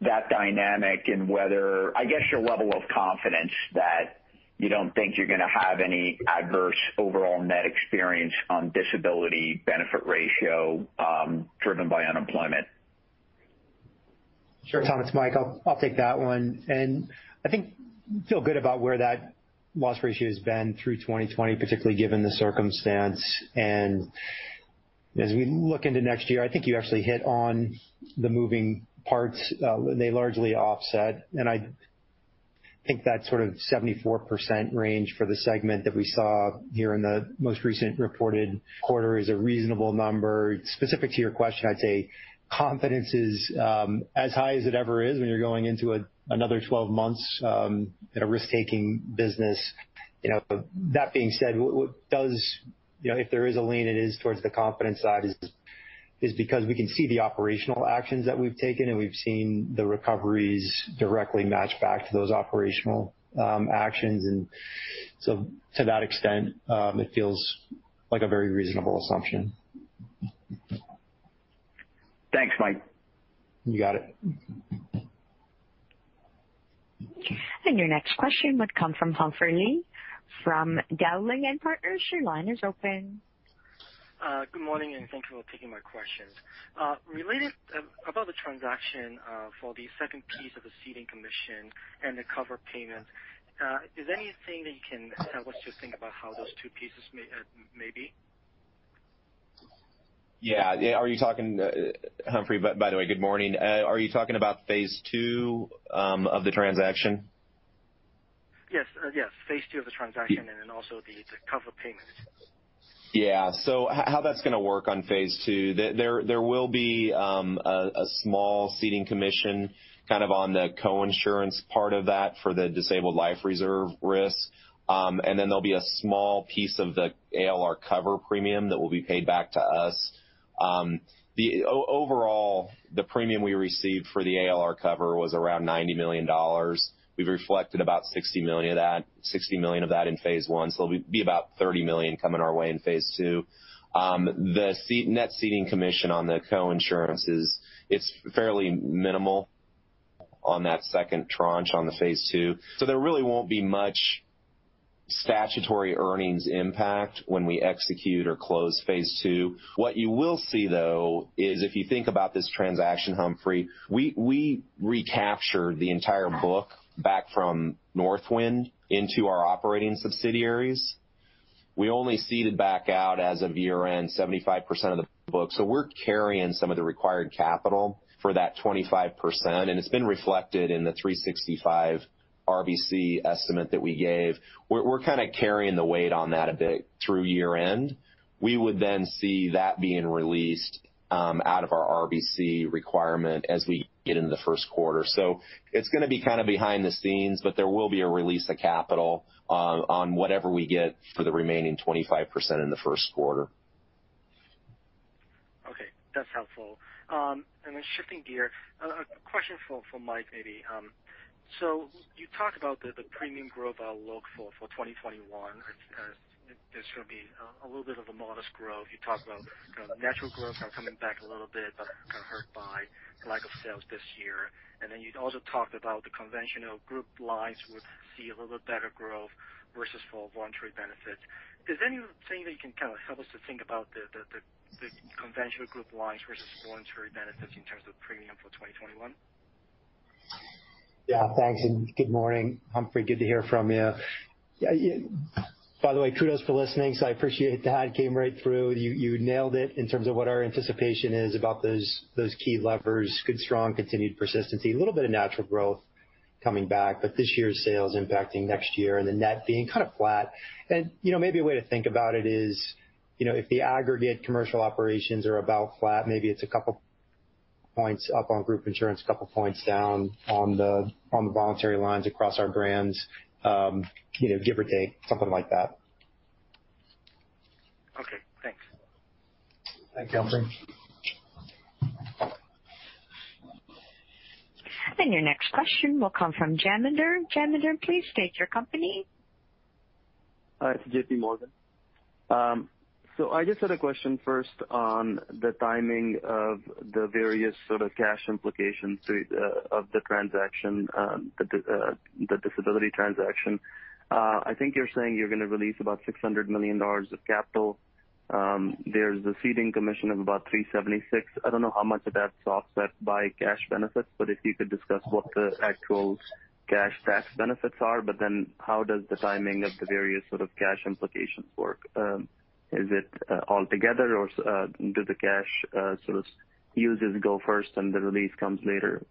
that dynamic and whether, I guess, your level of confidence that you don't think you're going to have any adverse overall net experience on disability benefit ratio driven by unemployment? Sure, Tom, it's Mike. I'll take that one. I think feel good about where that loss ratio has been through 2020, particularly given the circumstance and As we look into next year, I think you actually hit on the moving parts. They largely offset, and I think that sort of 74% range for the segment that we saw here in the most recent reported quarter is a reasonable number. Specific to your question, I'd say confidence is as high as it ever is when you're going into another 12 months in a risk-taking business. That being said, if there is a lean, it is towards the confidence side, is because we can see the operational actions that we've taken, and we've seen the recoveries directly match back to those operational actions. To that extent, it feels like a very reasonable assumption. Thanks, Mike. You got it. Your next question would come from Humphrey Lee from Dowling & Partners. Your line is open. Good morning, thank you for taking my questions. Related about the transaction for the second piece of the ceding commission and the cover payment, is there anything that you can help us to think about how those two pieces may be? Yeah. Humphrey, by the way, good morning. Are you talking about phase 2 of the transaction? Yes. Phase 2 of the transaction, also the cover payment. Yeah. How that's going to work on phase two, there will be a small ceding commission kind of on the co-insurance part of that for the disabled life reserve risk. Then there'll be a small piece of the ALR cover premium that will be paid back to us. Overall, the premium we received for the ALR cover was around $90 million. We've reflected about $60 million of that in phase one, so it'll be about $30 million coming our way in phase two. The net ceding commission on the co-insurance is fairly minimal on that second tranche on the phase two. There really won't be much statutory earnings impact when we execute or close phase two. What you will see, though, is if you think about this transaction, Humphrey, we recaptured the entire book back from Northwind into our operating subsidiaries. We only ceded back out as of year-end 75% of the book. We're carrying some of the required capital for that 25%, and it's been reflected in the 365 RBC estimate that we gave. We're kind of carrying the weight on that a bit through year-end. We would see that being released out of our RBC requirement as we get into the first quarter. It's going to be kind of behind the scenes, but there will be a release of capital on whatever we get for the remaining 25% in the first quarter. Okay, that's helpful. Shifting gear, a question for Mike, maybe. You talked about the premium growth outlook for 2021. It's going to be a little bit of a modest growth. You talked about kind of natural growth coming back a little bit, but kind of hurt by lack of sales this year. You'd also talked about the conventional group lines would see a little bit better growth versus for voluntary benefits. Is there anything that you can kind of help us to think about the conventional group lines versus voluntary benefits in terms of premium for 2021? Yeah, thanks, and good morning, Humphrey. Good to hear from you. By the way, kudos for listening, so I appreciate that. Came right through. You nailed it in terms of what our anticipation is about those key levers. Good, strong, continued persistency. A little bit of natural growth coming back, but this year's sales impacting next year and the net being kind of flat. Maybe a way to think about it is, if the aggregate commercial operations are about flat, maybe it's a couple points up on group insurance, couple points down on the voluntary lines across our brands, give or take, something like that. Okay, thanks. Thanks, Humphrey. Your next question will come from Jamender. Jamender, please state your company. It's JPMorgan. I just had a question first on the timing of the various sort of cash implications of the disability transaction. I think you're saying you're going to release about $600 million of capital. There's the ceding commission of about $376. I don't know how much of that's offset by cash benefits, but if you could discuss what the actual cash tax benefits are, but then how does the timing of the various sort of cash implications work? Is it all together or do the cash sort of uses go first and the release comes later?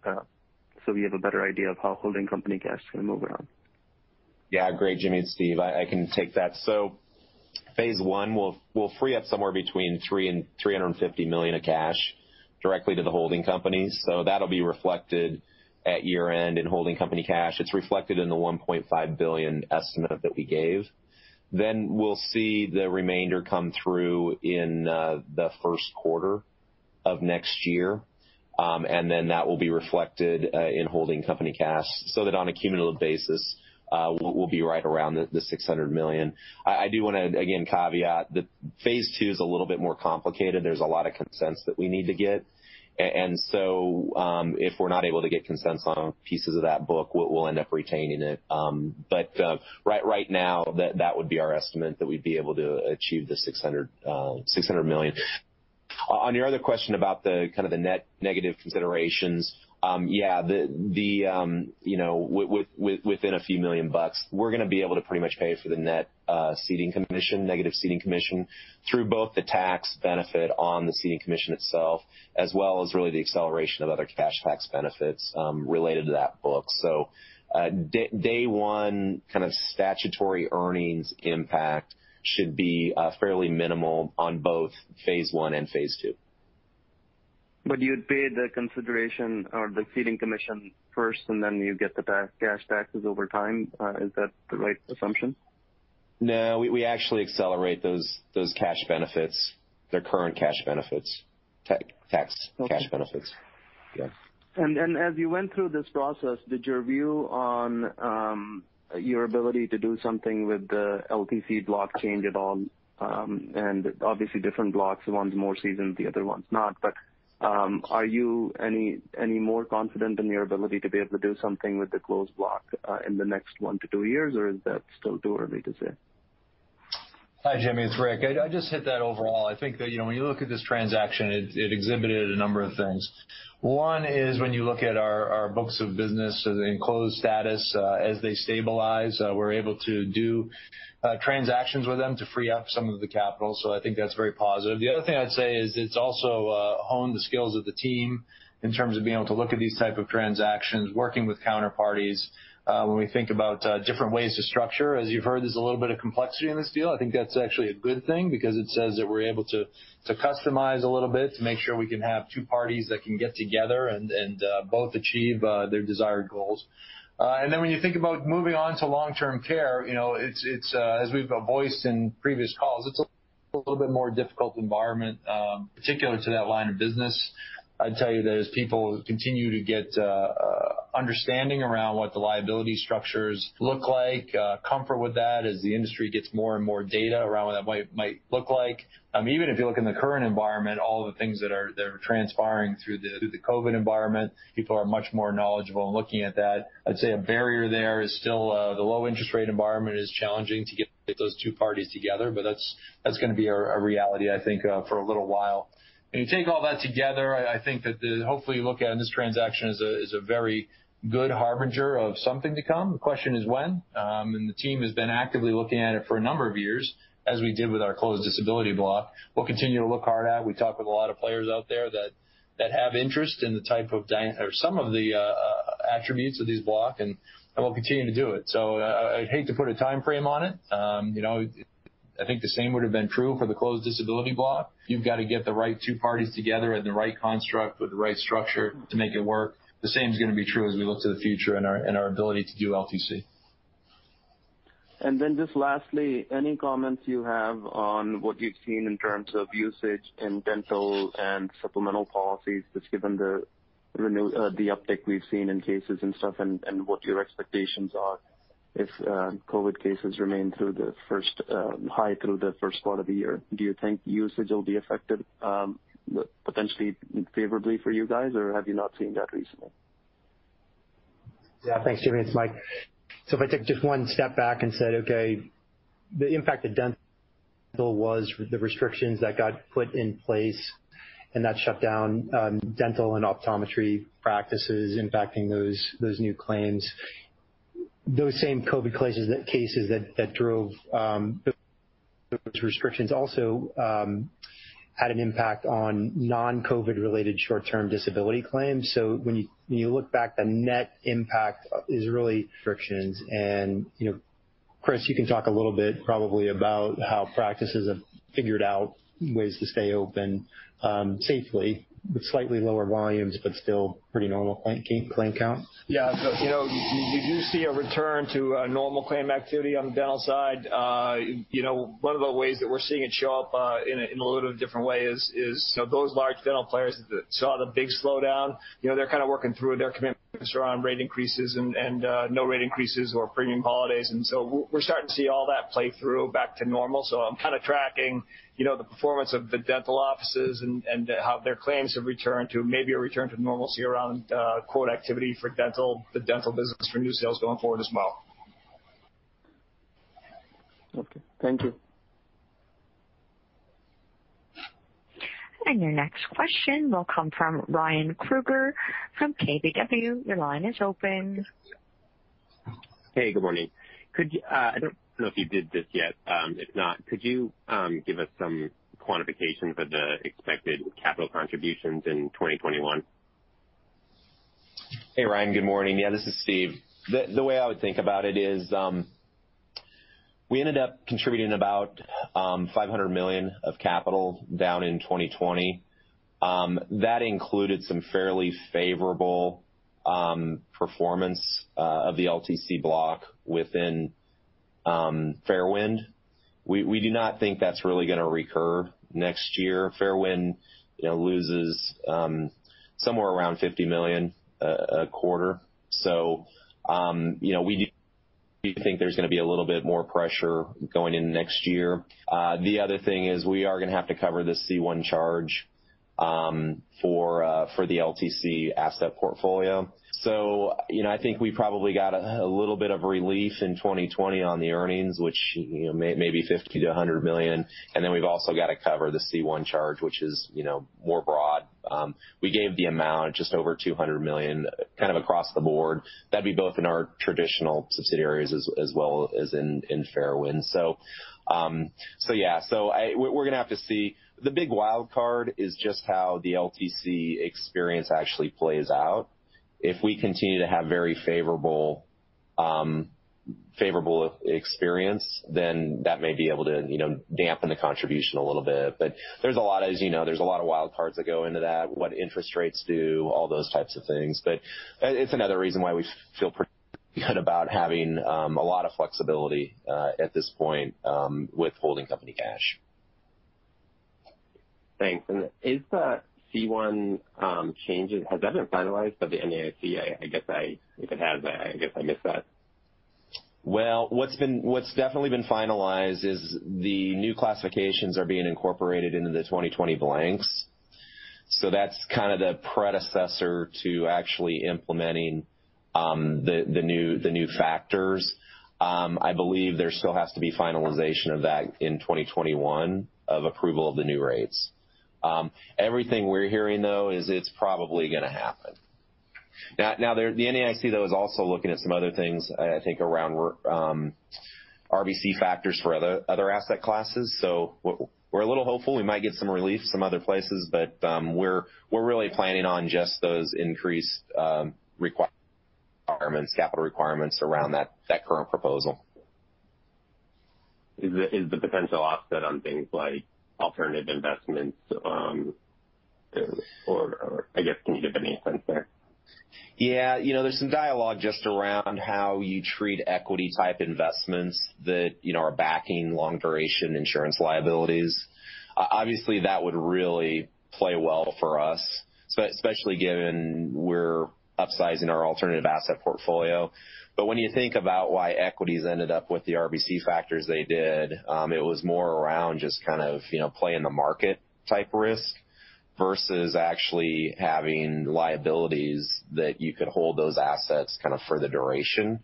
We have a better idea of how holding company cash is going to move around. Great, Jamie and Steve, I can take that. Phase one will free up somewhere between $300 million and $350 million of cash directly to the holding company. That'll be reflected at year-end in holding company cash. It's reflected in the $1.5 billion estimate that we gave. We'll see the remainder come through in the first quarter of next year, that will be reflected in holding company cash, on a cumulative basis, we'll be right around the $600 million. I do want to, again, caveat that phase two is a little bit more complicated. There's a lot of consents that we need to get. If we're not able to get consents on pieces of that book, we'll end up retaining it. Right now, that would be our estimate that we'd be able to achieve the $600 million. On your other question about the kind of the net negative considerations. Within a few million dollars, we're going to be able to pretty much pay for the net ceeding commission, negative ceding commission through both the tax benefit on the ceding commission itself, as well as really the acceleration of other cash tax benefits related to that book. Day one kind of statutory earnings impact should be fairly minimal on both phase one and phase two. You'd pay the consideration or the ceding commission first, you get the cash taxes over time. Is that the right assumption? No, we actually accelerate those cash benefits, their current cash benefits. Okay tax cash benefits. Yeah. As you went through this process, did your view on your ability to do something with the LTC block change at all? Obviously different blocks, one's more seasoned, the other one's not. Are you any more confident in your ability to be able to do something with the closed block in the next one to two years, or is that still too early to say? Hi, Jamie. It's Rick. I'd just hit that overall. I think that when you look at this transaction, it exhibited a number of things. One is when you look at our books of business in closed status, as they stabilize, we're able to do transactions with them to free up some of the capital. I think that's very positive. The other thing I'd say is it's also honed the skills of the team in terms of being able to look at these type of transactions, working with counterparties when we think about different ways to structure. You've heard, there's a little bit of complexity in this deal. I think that's actually a good thing because it says that we're able to customize a little bit to make sure we can have two parties that can get together and both achieve their desired goals. When you think about moving on to long-term care, as we've voiced in previous calls, it's a little bit more difficult environment particular to that line of business. I'd tell you that as people continue to get understanding around what the liability structures look like, comfort with that as the industry gets more and more data around what that might look like. Even if you look in the current environment, all of the things that are transpiring through the COVID environment, people are much more knowledgeable in looking at that. I'd say a barrier there is still the low interest rate environment is challenging to get those two parties together, that's going to be a reality, I think, for a little while. You take all that together, I think that hopefully you look at this transaction as a very good harbinger of something to come. The question is when, the team has been actively looking at it for a number of years as we did with our closed disability block. We'll continue to look hard at. We talk with a lot of players out there that have interest in the type of or some of the attributes of these block, we'll continue to do it. I'd hate to put a timeframe on it. I think the same would've been true for the closed disability block. You've got to get the right two parties together and the right construct with the right structure to make it work. The same is going to be true as we look to the future and our ability to do LTC. Just lastly, any comments you have on what you've seen in terms of usage in dental and supplemental policies, just given the uptick we've seen in cases and stuff, and what your expectations are if COVID cases remain high through the first part of the year? Do you think usage will be affected potentially favorably for you guys, or have you not seen that recently? Yeah. Thanks, Jamie. It's Mike. If I take just one step back and said, okay, the impact of dental was the restrictions that got put in place and that shut down dental and optometry practices impacting those new claims. Those same COVID cases that drove those restrictions also had an impact on non-COVID related short-term disability claims. When you look back, the net impact is really restrictions and Chris, you can talk a little bit probably about how practices have figured out ways to stay open safely with slightly lower volumes but still pretty normal claim count. Yeah. You do see a return to normal claim activity on the dental side. One of the ways that we're seeing it show up in a little bit of a different way is those large dental players that saw the big slowdown, they're kind of working through their commitments around rate increases and no rate increases or premium holidays. We're starting to see all that play through back to normal. I'm kind of tracking the performance of the dental offices and how their claims have returned to maybe a return to normalcy around quote activity for dental, the dental business for new sales going forward as well. Okay. Thank you. Your next question will come from Ryan Krueger from KBW. Your line is open. Hey, good morning. I don't know if you did this yet. If not, could you give us some quantifications of the expected capital contributions in 2021? Hey, Ryan, good morning. Yeah, this is Steve. The way I would think about it is, we ended up contributing about $500 million of capital down in 2020. That included some fairly favorable performance of the LTC block within Fairwind. We do not think that's really going to recur next year. Fairwind loses somewhere around $50 million a quarter. We do think there's going to be a little bit more pressure going into next year. The other thing is we are going to have to cover the C1 charge for the LTC asset portfolio. I think we probably got a little bit of relief in 2020 on the earnings, which may be $50 million-$100 million. We've also got to cover the C1 charge, which is more broad. We gave the amount, just over $200 million, kind of across the board. That'd be both in our traditional subsidiaries as well as in Fairwind. We're going to have to see. The big wild card is just how the LTC experience actually plays out. If we continue to have very favorable experience, then that may be able to dampen the contribution a little bit. As you know, there's a lot of wild cards that go into that. What interest rates do, all those types of things. It's another reason why we feel pretty good about having a lot of flexibility at this point with holding company cash. Thanks. Is that C1 change, has that been finalized by the NAIC? If it has, I guess I missed that. What's definitely been finalized is the new classifications are being incorporated into the 2020 blanks. That's kind of the predecessor to actually implementing the new factors. I believe there still has to be finalization of that in 2021 of approval of the new rates. Everything we're hearing, though, is it's probably going to happen. The NAIC, though, is also looking at some other things, I think, around RBC factors for other asset classes. We're a little hopeful we might get some relief some other places, but we're really planning on just those increased capital requirements around that current proposal. Is the potential offset on things like alternative investments, or I guess, can you give any insight there? Yeah. There's some dialogue just around how you treat equity-type investments that are backing long-duration insurance liabilities. Obviously, that would really play well for us, especially given we're upsizing our alternative asset portfolio. When you think about why equities ended up with the RBC factors they did, it was more around just kind of play-in-the-market type risk, versus actually having liabilities that you could hold those assets kind of for the duration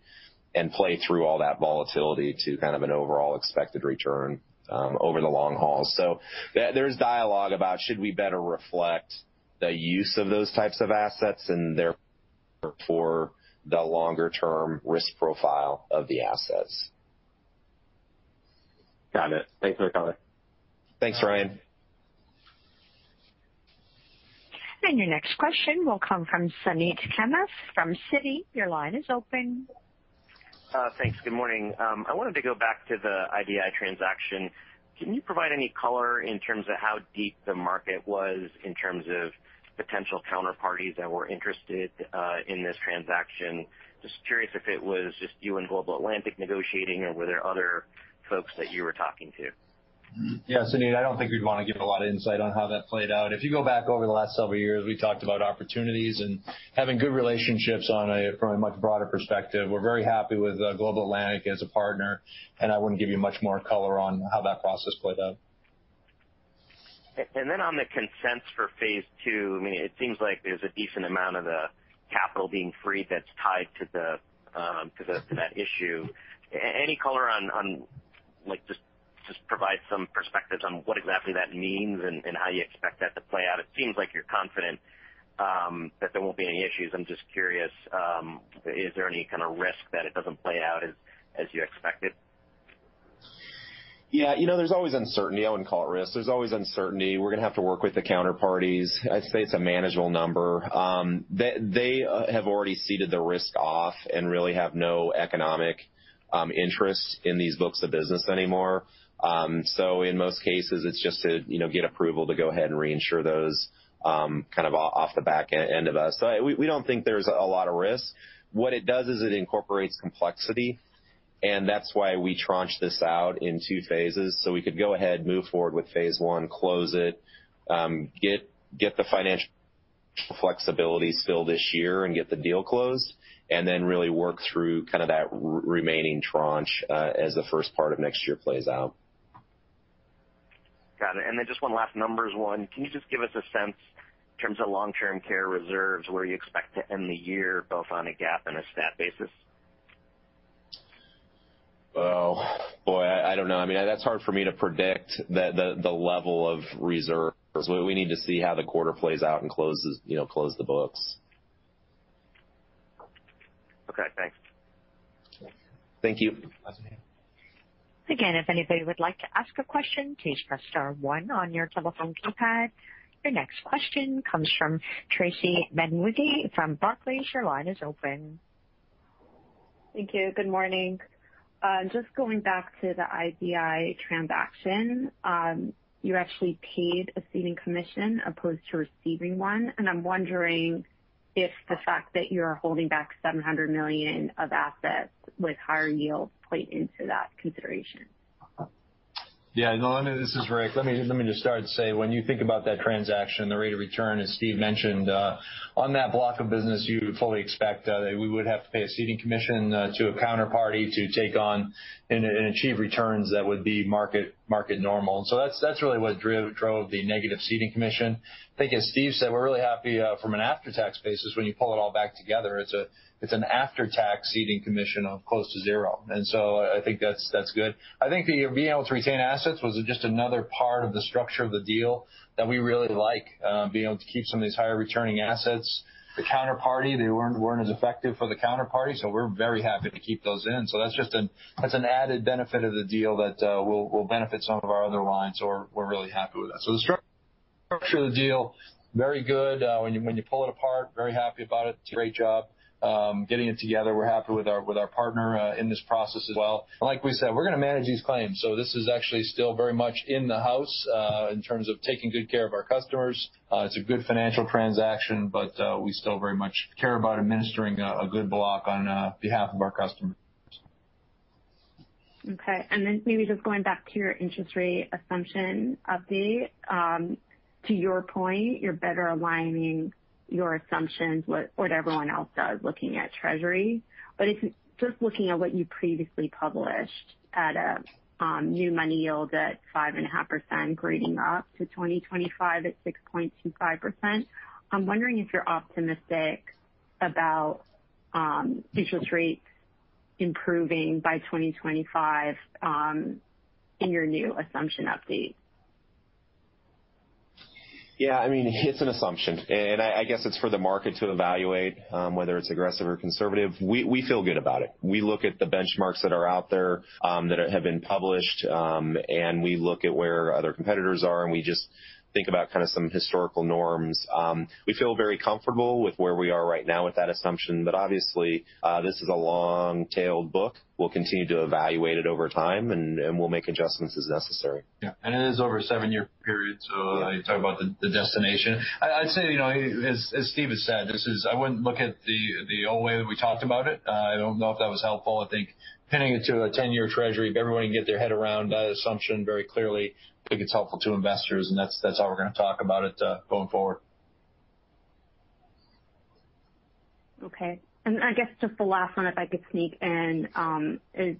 and play through all that volatility to kind of an overall expected return over the long haul. There's dialogue about should we better reflect the use of those types of assets and therefore for the longer-term risk profile of the assets. Got it. Thanks for the comment. Thanks, Ryan. Your next question will come from Suneet Kamath from Citi. Your line is open. Thanks. Good morning. I wanted to go back to the IDI transaction. Can you provide any color in terms of how deep the market was in terms of potential counterparties that were interested in this transaction? Just curious if it was just you and Global Atlantic negotiating or were there other folks that you were talking to? Yeah, Suneet, I don't think we'd want to give a lot of insight on how that played out. If you go back over the last several years, we talked about opportunities and having good relationships from a much broader perspective. We're very happy with Global Atlantic as a partner, I wouldn't give you much more color on how that process played out. Then on the consents for phase 2, it seems like there's a decent amount of the capital being freed that's tied to that issue. Any color on, just provide some perspective on what exactly that means and how you expect that to play out. It seems like you're confident that there won't be any issues. I'm just curious, is there any kind of risk that it doesn't play out as you expected? Yeah. There's always uncertainty. I wouldn't call it risk. There's always uncertainty. We're going to have to work with the counterparties. I'd say it's a manageable number. They have already ceded the risk off and really have no economic interest in these books of business anymore. In most cases, it's just to get approval to go ahead and reinsure those kind of off the back end of us. We don't think there's a lot of risk. What it does is it incorporates complexity, that's why we tranched this out in 2 phases. We could go ahead, move forward with phase 1, close it, get the financial flexibility still this year and get the deal closed, then really work through kind of that remaining tranche as the first part of next year plays out. Got it. Just one last numbers one. Can you just give us a sense in terms of long-term care reserves, where you expect to end the year, both on a GAAP and a stat basis? Oh, boy, I don't know. That's hard for me to predict the level of reserves. We need to see how the quarter plays out and close the books. Okay, thanks. Thank you. Again, if anybody would like to ask a question, please press star one on your telephone keypad. Your next question comes from Tracy Benguigui from Barclays. Your line is open. Thank you. Good morning. Just going back to the IDI transaction. You actually paid a ceding commission opposed to receiving one. I'm wondering if the fact that you're holding back $700 million of assets with higher yields played into that consideration. Yeah. No, this is Rick. Let me just start to say, when you think about that transaction, the rate of return, as Steve mentioned, on that block of business, you would fully expect that we would have to pay a ceding commission to a counterparty to take on and achieve returns that would be market normal. That's really what drove the negative ceding commission. I think as Steve said, we're really happy from an after-tax basis. When you pull it all back together, it's an after-tax ceding commission of close to zero. I think that's good. I think being able to retain assets was just another part of the structure of the deal that we really like, being able to keep some of these higher returning assets. The counterparty, they weren't as effective for the counterparty, we're very happy to keep those in. That's an added benefit of the deal that will benefit some of our other lines, we're really happy with that. The structure of the deal, very good. When you pull it apart, very happy about it. It's a great job. Getting it together, we're happy with our partner in this process as well. Like we said, we're going to manage these claims, this is actually still very much in the house, in terms of taking good care of our customers. It's a good financial transaction, we still very much care about administering a good block on behalf of our customers. Maybe just going back to your interest rate assumption update. To your point, you're better aligning your assumptions with what everyone else does looking at Treasury. If you're just looking at what you previously published at a new money yield at 5.5% grading up to 2025 at 6.25%, I'm wondering if you're optimistic about interest rates improving by 2025 in your new assumption update. Yeah. It's an assumption. I guess it's for the market to evaluate whether it's aggressive or conservative. We feel good about it. We look at the benchmarks that are out there that have been published. We look at where other competitors are. We just think about kind of some historical norms. We feel very comfortable with where we are right now with that assumption. Obviously, this is a long-tailed book. We'll continue to evaluate it over time. We'll make adjustments as necessary. Yeah. It is over a seven-year period, so you talk about the destination. I'd say, as Steve has said, I wouldn't look at the old way that we talked about it. I don't know if that was helpful. I think pinning it to a 10-year Treasury, if everybody can get their head around that assumption very clearly, I think it's helpful to investors. That's how we're going to talk about it going forward. Okay. I guess just the last one if I could sneak in, is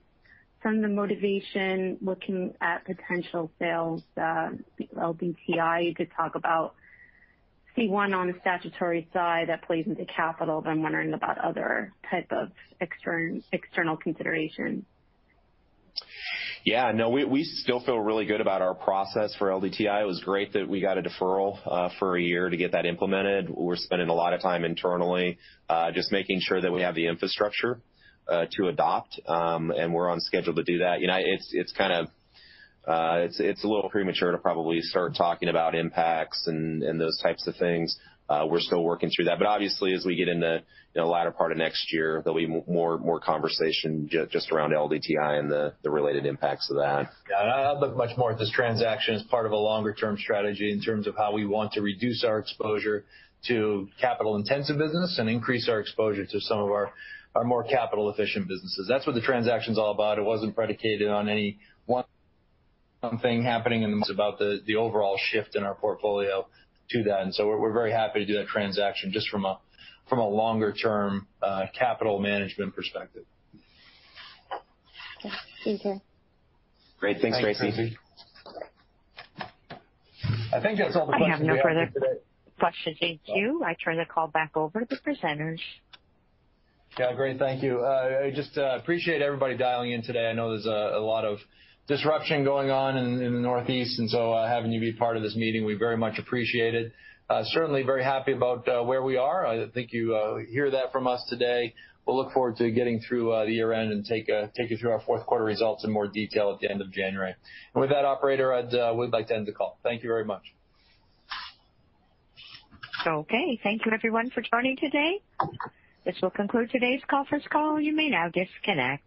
some of the motivation looking at potential sales, LDTI. You did talk about C1 on the statutory side that plays into capital. I'm wondering about other type of external consideration. Yeah. We still feel really good about our process for LDTI. It was great that we got a deferral for a year to get that implemented. We're spending a lot of time internally just making sure that we have the infrastructure to adopt, and we're on schedule to do that. It's a little premature to probably start talking about impacts and those types of things. We're still working through that. Obviously, as we get into the latter part of next year, there'll be more conversation just around LDTI and the related impacts of that. Yeah. I'd look much more at this transaction as part of a longer-term strategy in terms of how we want to reduce our exposure to capital-intensive business and increase our exposure to some of our more capital-efficient businesses. That's what the transaction's all about. It wasn't predicated on any one thing happening, and it's about the overall shift in our portfolio to that. We're very happy to do that transaction just from a longer-term capital management perspective. Okay. Thank you. Great. Thanks, Tracy. Thanks, Tracy. I think that's all the questions we have for today. I have no further questions in queue. I turn the call back over to the presenters. Yeah, great. Thank you. I just appreciate everybody dialing in today. I know there's a lot of disruption going on in the Northeast, and so having you be part of this meeting, we very much appreciate it. Certainly very happy about where we are. I think you hear that from us today. We'll look forward to getting through the year-end and take you through our fourth quarter results in more detail at the end of January. With that, operator, we'd like to end the call. Thank you very much. Okay. Thank you everyone for joining today. This will conclude today's conference call. You may now disconnect.